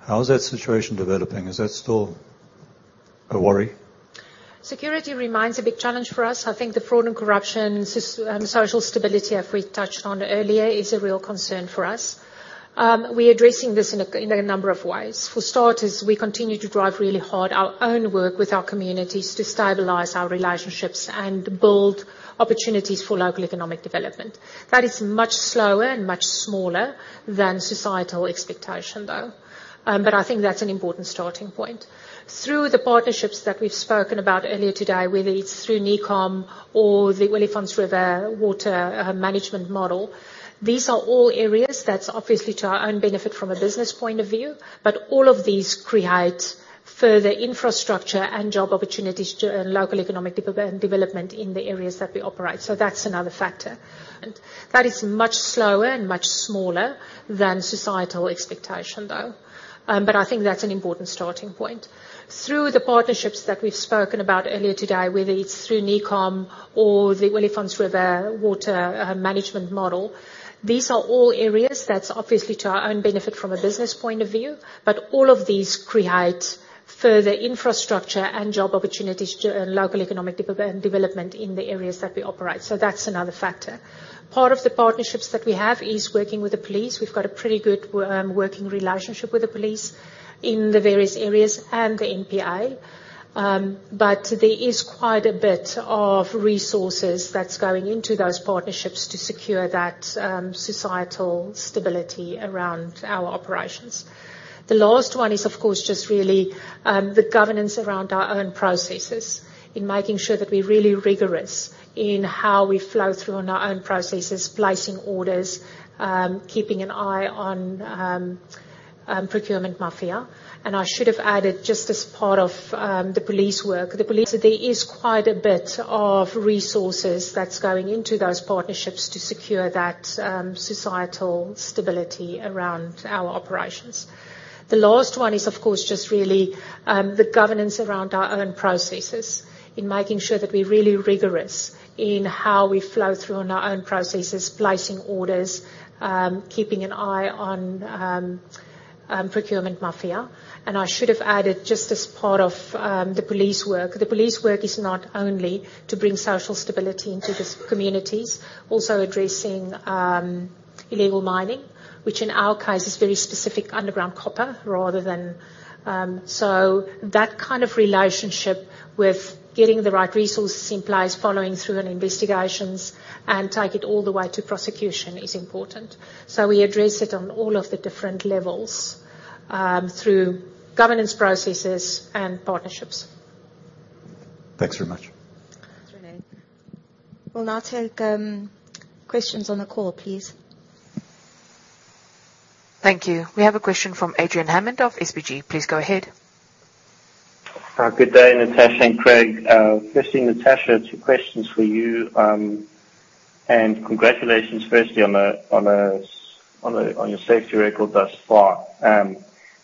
How is that situation developing? Is that still a worry? Security remains a big challenge for us. I think the fraud and corruption, social stability, as we touched on earlier, is a real concern for us. We're addressing this in a number of ways. For starters, we continue to drive really hard our own work with our communities to stabilize our relationships and build opportunities for local economic development. That is much slower and much smaller than societal expectation, though, but I think that's an important starting point. Through the partnerships that we've spoken about earlier today, whether it's through NECOM or the Olifants River Water Management Model, these are all areas that's obviously to our own benefit from a business point of view, but all of these create further infrastructure and job opportunities to local economic development in the areas that we operate. That's another factor. That is much slower and much smaller than societal expectation, though. I think that's an important starting point. Through the partnerships that we've spoken about earlier today, whether it's through NECOM or the Olifants River Water Management Model, these are all areas that's obviously to our own benefit from a business point of view, but all of these create further infrastructure and job opportunities to, and local economic development in the areas that we operate. That's another factor. Part of the partnerships that we have is working with the police. We've got a pretty good working relationship with the police in the various areas and the NPA. There is quite a bit of resources that's going into those partnerships to secure that societal stability around our operations. The last one is, of course, just really, the governance around our own processes, in making sure that we're really rigorous in how we flow through on our own processes, placing orders, keeping an eye on, procurement mafia. I should have added, just as part of, the police work. There is quite a bit of resources that's going into those partnerships to secure that, societal stability around our operations. The last one is, of course, just really, the governance around our own processes, in making sure that we're really rigorous in how we flow through on our own processes, placing orders, keeping an eye on, procurement mafia. I should have added, just as part of the police work is not only to bring social stability into the communities, also addressing illegal mining, which in our case is very specific underground copper rather than. That kind of relationship with getting the right resources in place, following through on investigations, and take it all the way to prosecution is important. We address it on all of the different levels through governance processes and partnerships. Thanks very much. Thanks, René. We'll now take questions on the call, please. Thank you. We have a question from Adrian Hammond of SBG. Please go ahead. Good day, Natascha and Craig. Firstly, Natascha, two questions for you. Congratulations, firstly, on your safety record thus far.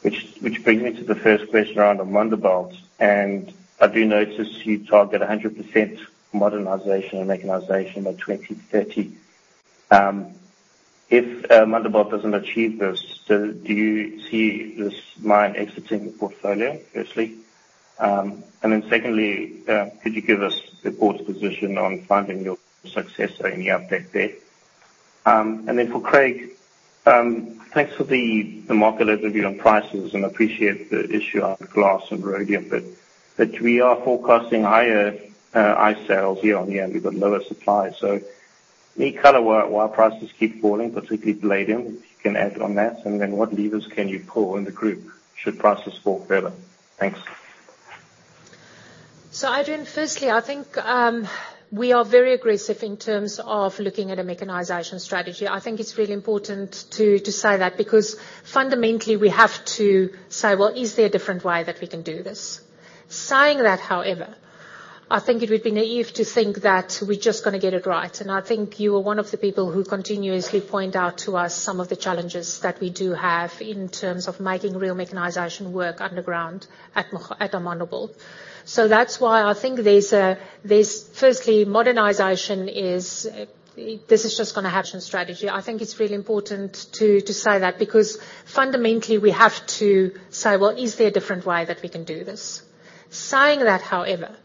Which brings me to the first question around Amandelbult. I do notice you target 100% modernization and mechanization by 2030. If Amandelbult doesn't achieve this, do you see this mine exiting the portfolio, firstly? Secondly, could you give us the board's position on finding your successor, any update there? For Craig, thanks for the market overview on prices, and appreciate the issue on glass and rhodium. We are forecasting higher high sales year-on-year, and we've got lower supply. Any color why prices keep falling, particularly palladium, if you can add on that. What levers can you pull in the group, should prices fall further? Thanks. Adrian, firstly, I think we are very aggressive in terms of looking at a mechanization strategy. I think it's really important to say that, because fundamentally, we have to say, well, is there a different way that we can do this? Saying that, however, I think it would be naive to think that we're just gonna get it right, and I think you are one of the people who continuously point out to us some of the challenges that we do have in terms of making real mechanization work underground at Amandelbult. That's why I think there's firstly, modernization is just gonna happen strategy. I think it's really important to say that, because fundamentally, we have to say, well, is there a different way that we can do this? Saying that, however,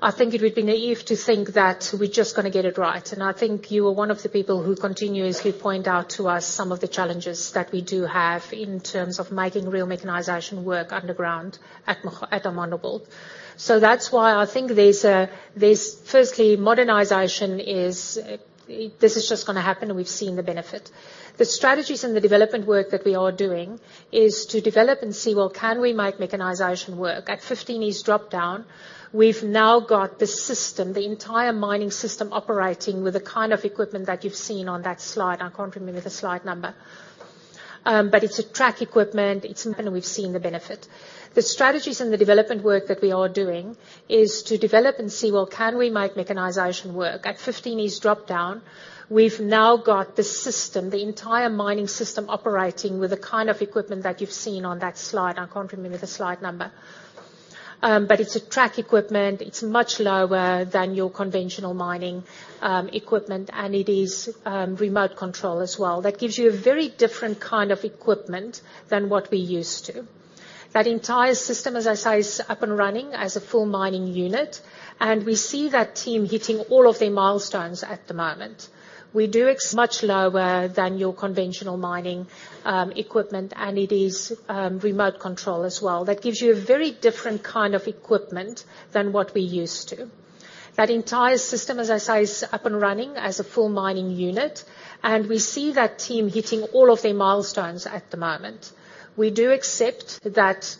I think it would be naive to think that we're just gonna get it right. I think you are one of the people who continuously point out to us some of the challenges that we do have in terms of making real mechanization work underground at Amandelbult. That's why I think there's firstly, modernization is, this is just gonna happen, and we've seen the benefit. The strategies and the development work that we are doing is to develop and see, well, can we make mechanization work? At 15 East Drop Down, we've now got the system, the entire mining system, operating with the kind of equipment that you've seen on that slide. I can't remember the slide number. But it's a track equipment. It's and we've seen the benefit. The strategies and the development work that we are doing is to develop and see, well, can we make mechanization work? At 15 East Drop Down, we've now got the system, the entire mining system, operating with the kind of equipment that you've seen on that slide. I can't remember the slide number. It's a track equipment. It's much lower than your conventional mining, equipment, and it is remote control as well. That gives you a very different kind of equipment than what we're used to. That entire system, as I say, is up and running as a full mining unit, and we see that team hitting all of their milestones at the moment. That gives you a very different kind of equipment than what we're used to. That entire system, as I say, is up and running as a full mining unit. We see that team hitting all of their milestones at the moment. We do accept that,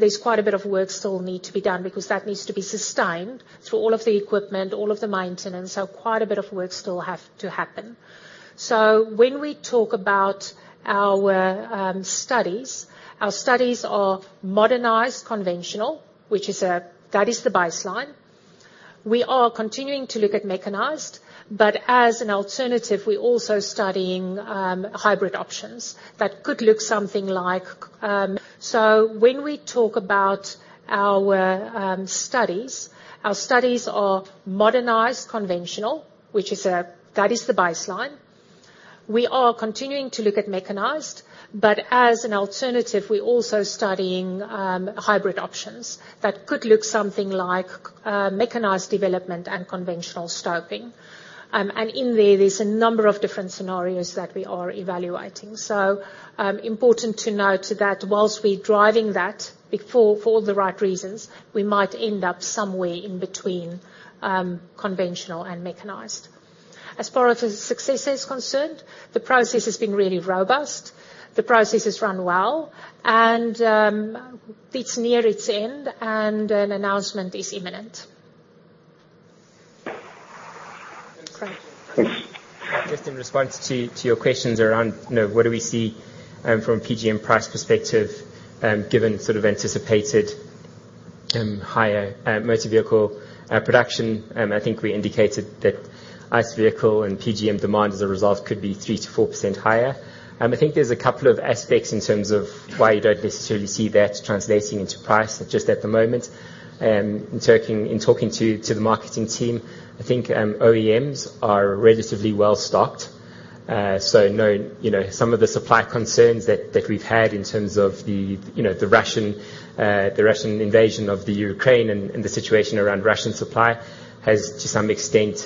there's quite a bit of work still need to be done because that needs to be sustained. All of the equipment, all of the maintenance, quite a bit of work still have to happen. When we talk about our studies, our studies are modernized conventional, which is that is the baseline. We are continuing to look at mechanized, but as an alternative, we're also studying hybrid options that could look something like. When we talk about our studies, our studies are modernized conventional, which is that is the baseline. We are continuing to look at mechanized. As an alternative, we're also studying, hybrid options that could look something like, mechanized development and conventional stoping. In there's a number of different scenarios that we are evaluating. Important to note that whilst we're driving that before, for all the right reasons, we might end up somewhere in between, conventional and mechanized. As far as success is concerned, the process has been really robust. The process has run well, and it's near its end. An announcement is imminent. Thank you. Just in response to your questions around, you know, what do we see from a PGM price perspective, given sort of anticipated higher motor vehicle production. I think we indicated that ICE vehicle and PGM demand, as a result, could be 3%-4% higher. I think there's a couple of aspects in terms of why you don't necessarily see that translating into price just at the moment. In talking to the marketing team, I think OEMs are relatively well-stocked. Knowing, you know, some of the supply concerns that we've had in terms of the, you know, the Russian invasion of the Ukraine and the situation around Russian supply has, to some extent,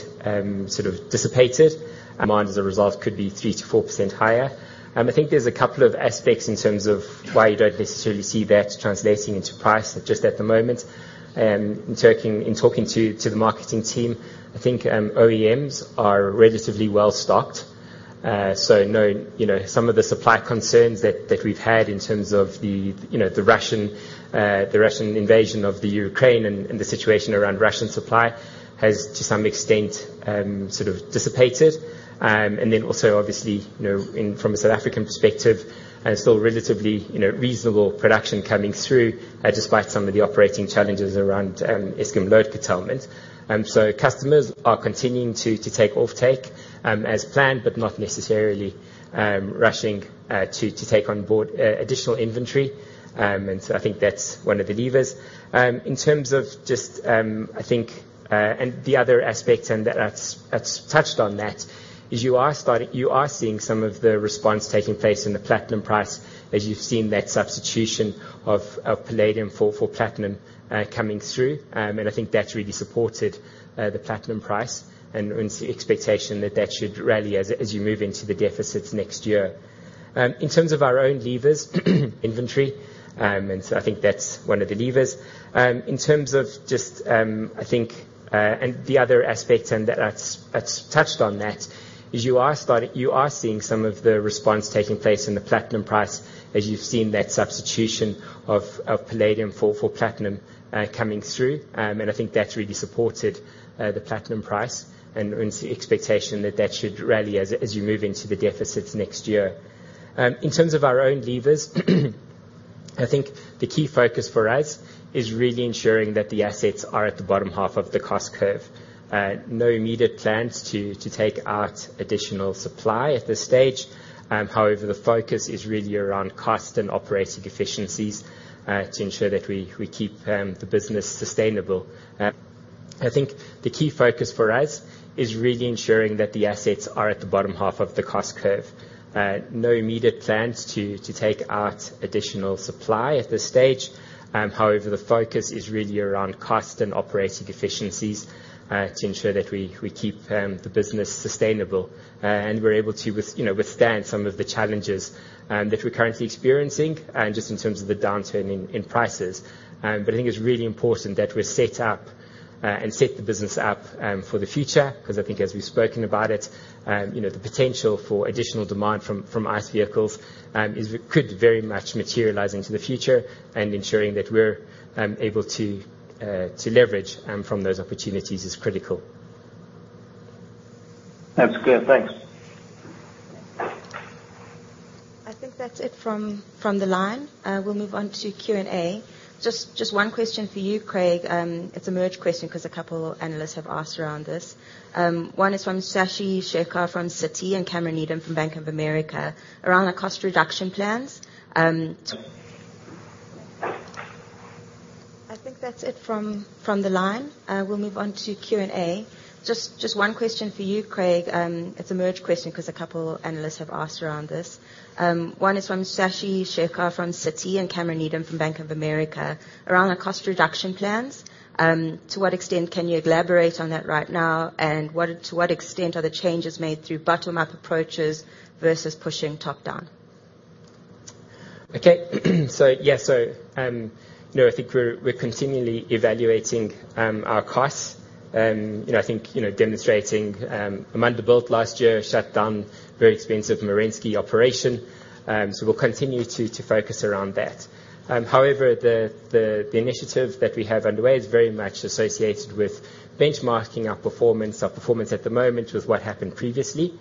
sort of dissipated. Demand, as a result, could be 3%-4% higher. I think there's a couple of aspects in terms of why you don't necessarily see that translating into price just at the moment. In talking to the marketing team, I think OEMs are relatively well-stocked. Knowing, you know, some of the supply concerns that we've had in terms of the, you know, the Russian invasion of the Ukraine and the situation around Russian supply has, to some extent, sort of dissipated. Then also, obviously, you know, in from a South African perspective, and still relatively, you know, reasonable production coming through, despite some of the operating challenges around Eskom load curtailment. Customers are continuing to take offtake, as planned, but not necessarily rushing to take on board additional inventory. I think that's one of the levers. In terms of just, I think, the other aspects, that's touched on that is you are seeing some of the response taking place in the platinum price as you've seen that substitution of palladium for platinum coming through. I think that's really supported the platinum price and it's the expectation that that should rally as you move into the deficits next year. In terms of our own levers, inventory, I think that's one of the levers. In terms of just, I think, the other aspect, that's touched on that, is you are seeing some of the response taking place in the platinum price as you've seen that substitution of palladium for platinum coming through. I think that's really supported the platinum price and the expectation that should rally as you move into the deficits next year. In terms of our own levers, I think the key focus for us is really ensuring that the assets are at the bottom half of the cost curve. No immediate plans to take out additional supply at this stage. However, the focus is really around cost and operating efficiencies to ensure that we keep the business sustainable. I think the key focus for us is really ensuring that the assets are at the bottom half of the cost curve. No immediate plans to take out additional supply at this stage. However, the focus is really around cost and operating efficiencies to ensure that we keep the business sustainable, and we're able to you know, withstand some of the challenges that we're currently experiencing just in terms of the downturn in prices. I think it's really important that we're set up and set the business up for the future, because I think as we've spoken about it, you know, the potential for additional demand from ICE vehicles is could very much materialize into the future. Ensuring that we're able to leverage from those opportunities is critical. That's clear. Thanks. I think that's it from the line. We'll move on to Q&A. Just one question for you, Craig. It's a merged question because a couple analysts have asked around this. One is from Shai Shekar from Citi and Cameron Needham from Bank of America, around the cost reduction plans. I think that's it from the line. We'll move on to Q&A. Just one question for you, Craig. It's a merged question because a couple analysts have asked around this. One is from Shai Shekar from Citi and Cameron Needham from Bank of America, around the cost reduction plans. To what extent can you elaborate on that right now? To what extent are the changes made through bottom-up approaches versus pushing top-down? Yeah. you know, I think we're continually evaluating our costs. you know, I think, you know, demonstrating Amandelbult last year, shut down very expensive Merensky operation. we'll continue to focus around that. However, the initiative that we have underway is very much associated with benchmarking our performance at the moment with what happened previously.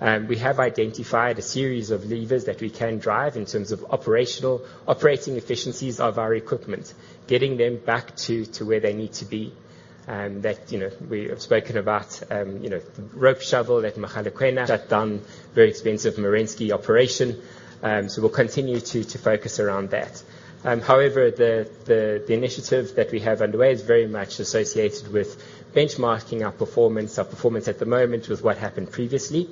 We have identified a series of levers that we can drive in terms of operational operating efficiencies of our equipment, getting them back to where they need to be. That, you know, we have spoken about, you know, rope shovel at Mogalakwena, shut down very expensive Merensky operation. we'll continue to focus around that. However, the initiative that we have underway is very much associated with benchmarking our performance at the moment, with what happened previously.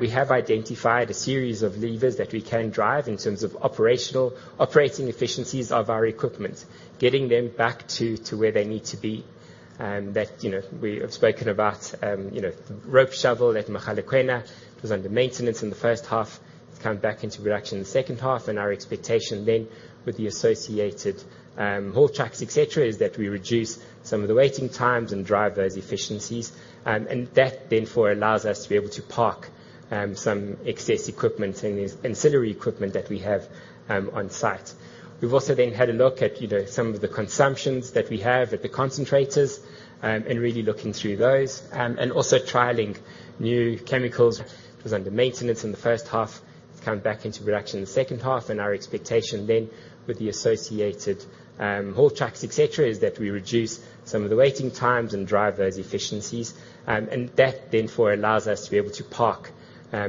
We have identified a series of levers that we can drive in terms of operational, operating efficiencies of our equipment, getting them back to where they need to be. That, you know, we have spoken about, you know, rope shovel at Mogalakwena. It was under maintenance in the first half. It's come back into production in the second half, and our expectation then, with the associated haul trucks, et cetera, is that we reduce some of the waiting times and drive those efficiencies. That, therefore, allows us to be able to park some excess equipment and these ancillary equipment that we have on site. We've also then had a look at, you know, some of the consumptions that we have at the concentrators, and really looking through those, and also trialing new chemicals. It was under maintenance in the first half. It's come back into production in the second half, our expectation then, with the associated haul trucks, et cetera, is that we reduce some of the waiting times and drive those efficiencies. That therefore allows us to be able to park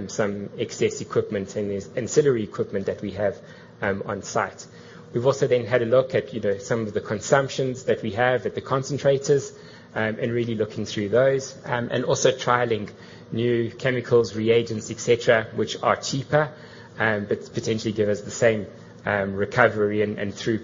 some excess equipment and these ancillary equipment that we have on site. We've also then had a look at, you know, some of the consumptions that we have at the concentrators, and really looking through those, and also trialing new chemicals, reagents, et cetera, which are cheaper, but potentially give us the same recovery and through...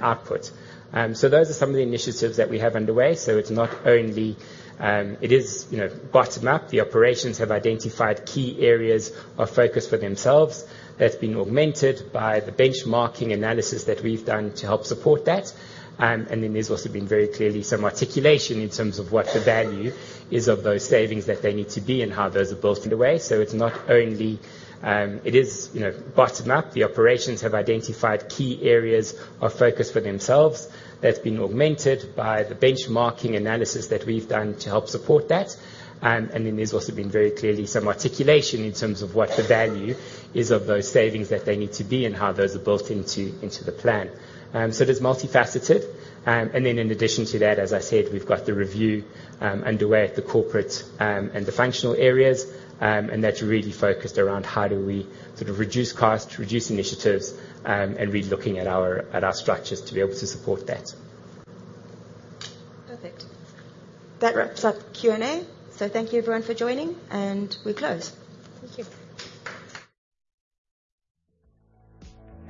Output. Those are some of the initiatives that we have underway. It's not only, you know, bottom-up. The operations have identified key areas of focus for themselves. That's been augmented by the benchmarking analysis that we've done to help support that. There's also been, very clearly, some articulation in terms of what the value is of those savings that they need to be and how those are built in a way. It's not only, you know, bottom-up. The operations have identified key areas of focus for themselves. That's been augmented by the benchmarking analysis that we've done to help support that. Then there's also been, very clearly, some articulation in terms of what the value is of those savings that they need to be and how those are built into the plan. It is multifaceted. Then in addition to that, as I said, we've got the review underway at the corporate and the functional areas. That's really focused around how do we sort of reduce costs, reduce initiatives, and really looking at our structures to be able to support that. Perfect. That wraps up Q&A. Thank you everyone for joining, and we close. Thank you.